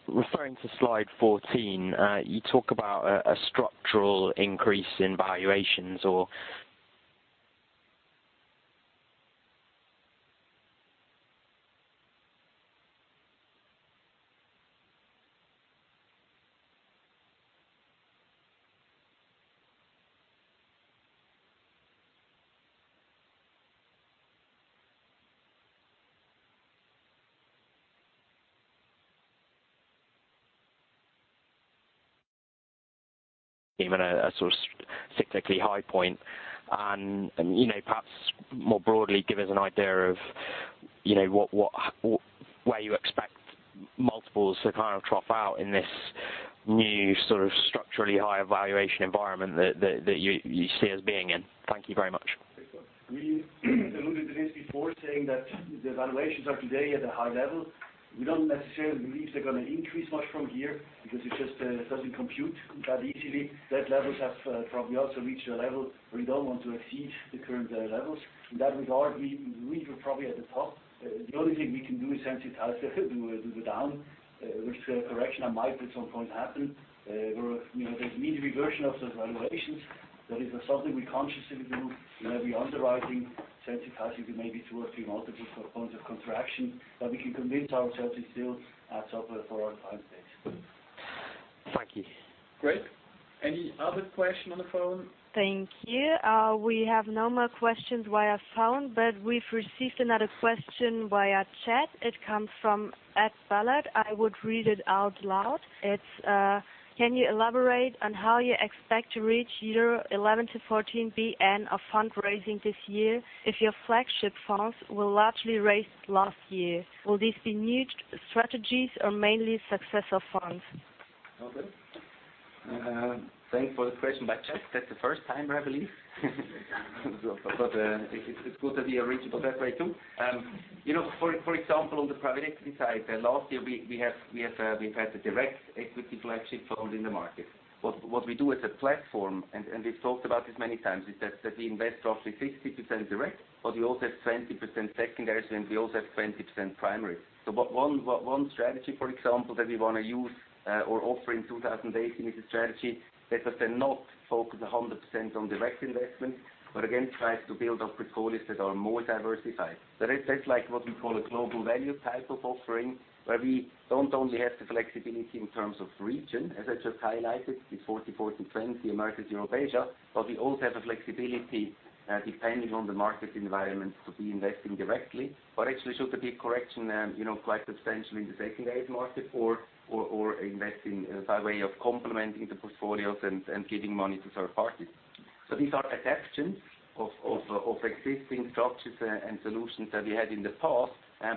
referring to slide 14. You talk about a structural increase in valuations or even a sort of cyclically high point. Perhaps more broadly, give us an idea of where you expect multiples to kind of drop out in this new sort of structurally higher valuation environment that you see us being in. Thank you very much. We alluded to this before saying that the valuations are today at a high level. We don't necessarily believe they're going to increase much from here because it just doesn't compute that easily. Debt levels have probably also reached a level where we don't want to exceed the current levels. In that regard, we are probably at the top. The only thing we can do is sensitize to the down, which a correction might at some point happen, where there's mean reversion of those valuations. That is something we consciously do in every underwriting, sensitizing to maybe two or three multiples for points of contraction. We can convince ourselves it's still at sort of four or five x. Thank you. Great. Any other question on the phone? Thank you. We have no more questions via phone. We've received another question via chat. It comes from Ed Ballard. I would read it out loud. It's, "Can you elaborate on how you expect to reach your 11 billion-14 billion of fundraising this year if your flagship funds were largely raised last year? Will these be new strategies or mainly successor funds? Okay. Thanks for the question by chat. That's the first time, I believe. It's good that we are reachable that way, too. For example, on the private equity side, last year we had a direct equity flagship fund in the market. What we do as a platform, and we've talked about this many times, is that we invest roughly 60% direct, but we also have 20% secondary, and we also have 20% primary. One strategy, for example, that we want to use or offer in 2018 is a strategy that does not focus 100% on direct investment, but again, tries to build up portfolios that are more diversified. That is like what we call a global value type of offering, where we don't only have the flexibility in terms of region, as I just highlighted with 40/40/20 Americas, Europe, Asia, but we also have a flexibility, depending on the market environment, to be investing directly. Actually, should there be a correction, quite substantial in the secondary market or investing by way of complementing the portfolios and giving money to third parties. These are adaptations of existing structures and solutions that we had in the past,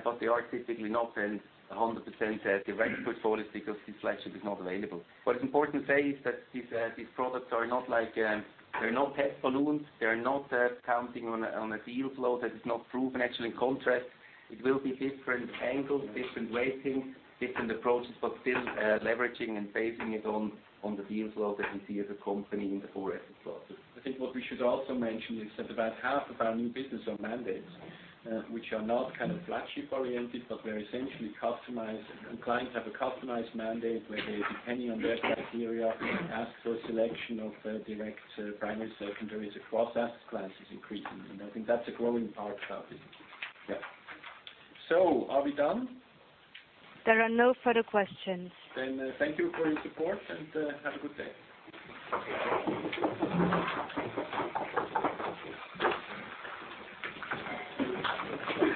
but they are typically not 100% direct portfolios because this flagship is not available. What is important to say is that these products are not perpetual bonds. They are not counting on a deal flow that is not proven. Actually, contrast, it will be different angles, different weighting, different approaches, but still leveraging and basing it on the deal flow that we see as a company in the full asset classes. I think what we should also mention is that about half of our new business are mandates which are not flagship oriented, but where essentially clients have a customized mandate where they, depending on their criteria, ask for a selection of direct primary secondaries across asset classes increasingly, and I think that's a growing part of our business. Yeah. Are we done? There are no further questions. Thank you for your support and have a good day.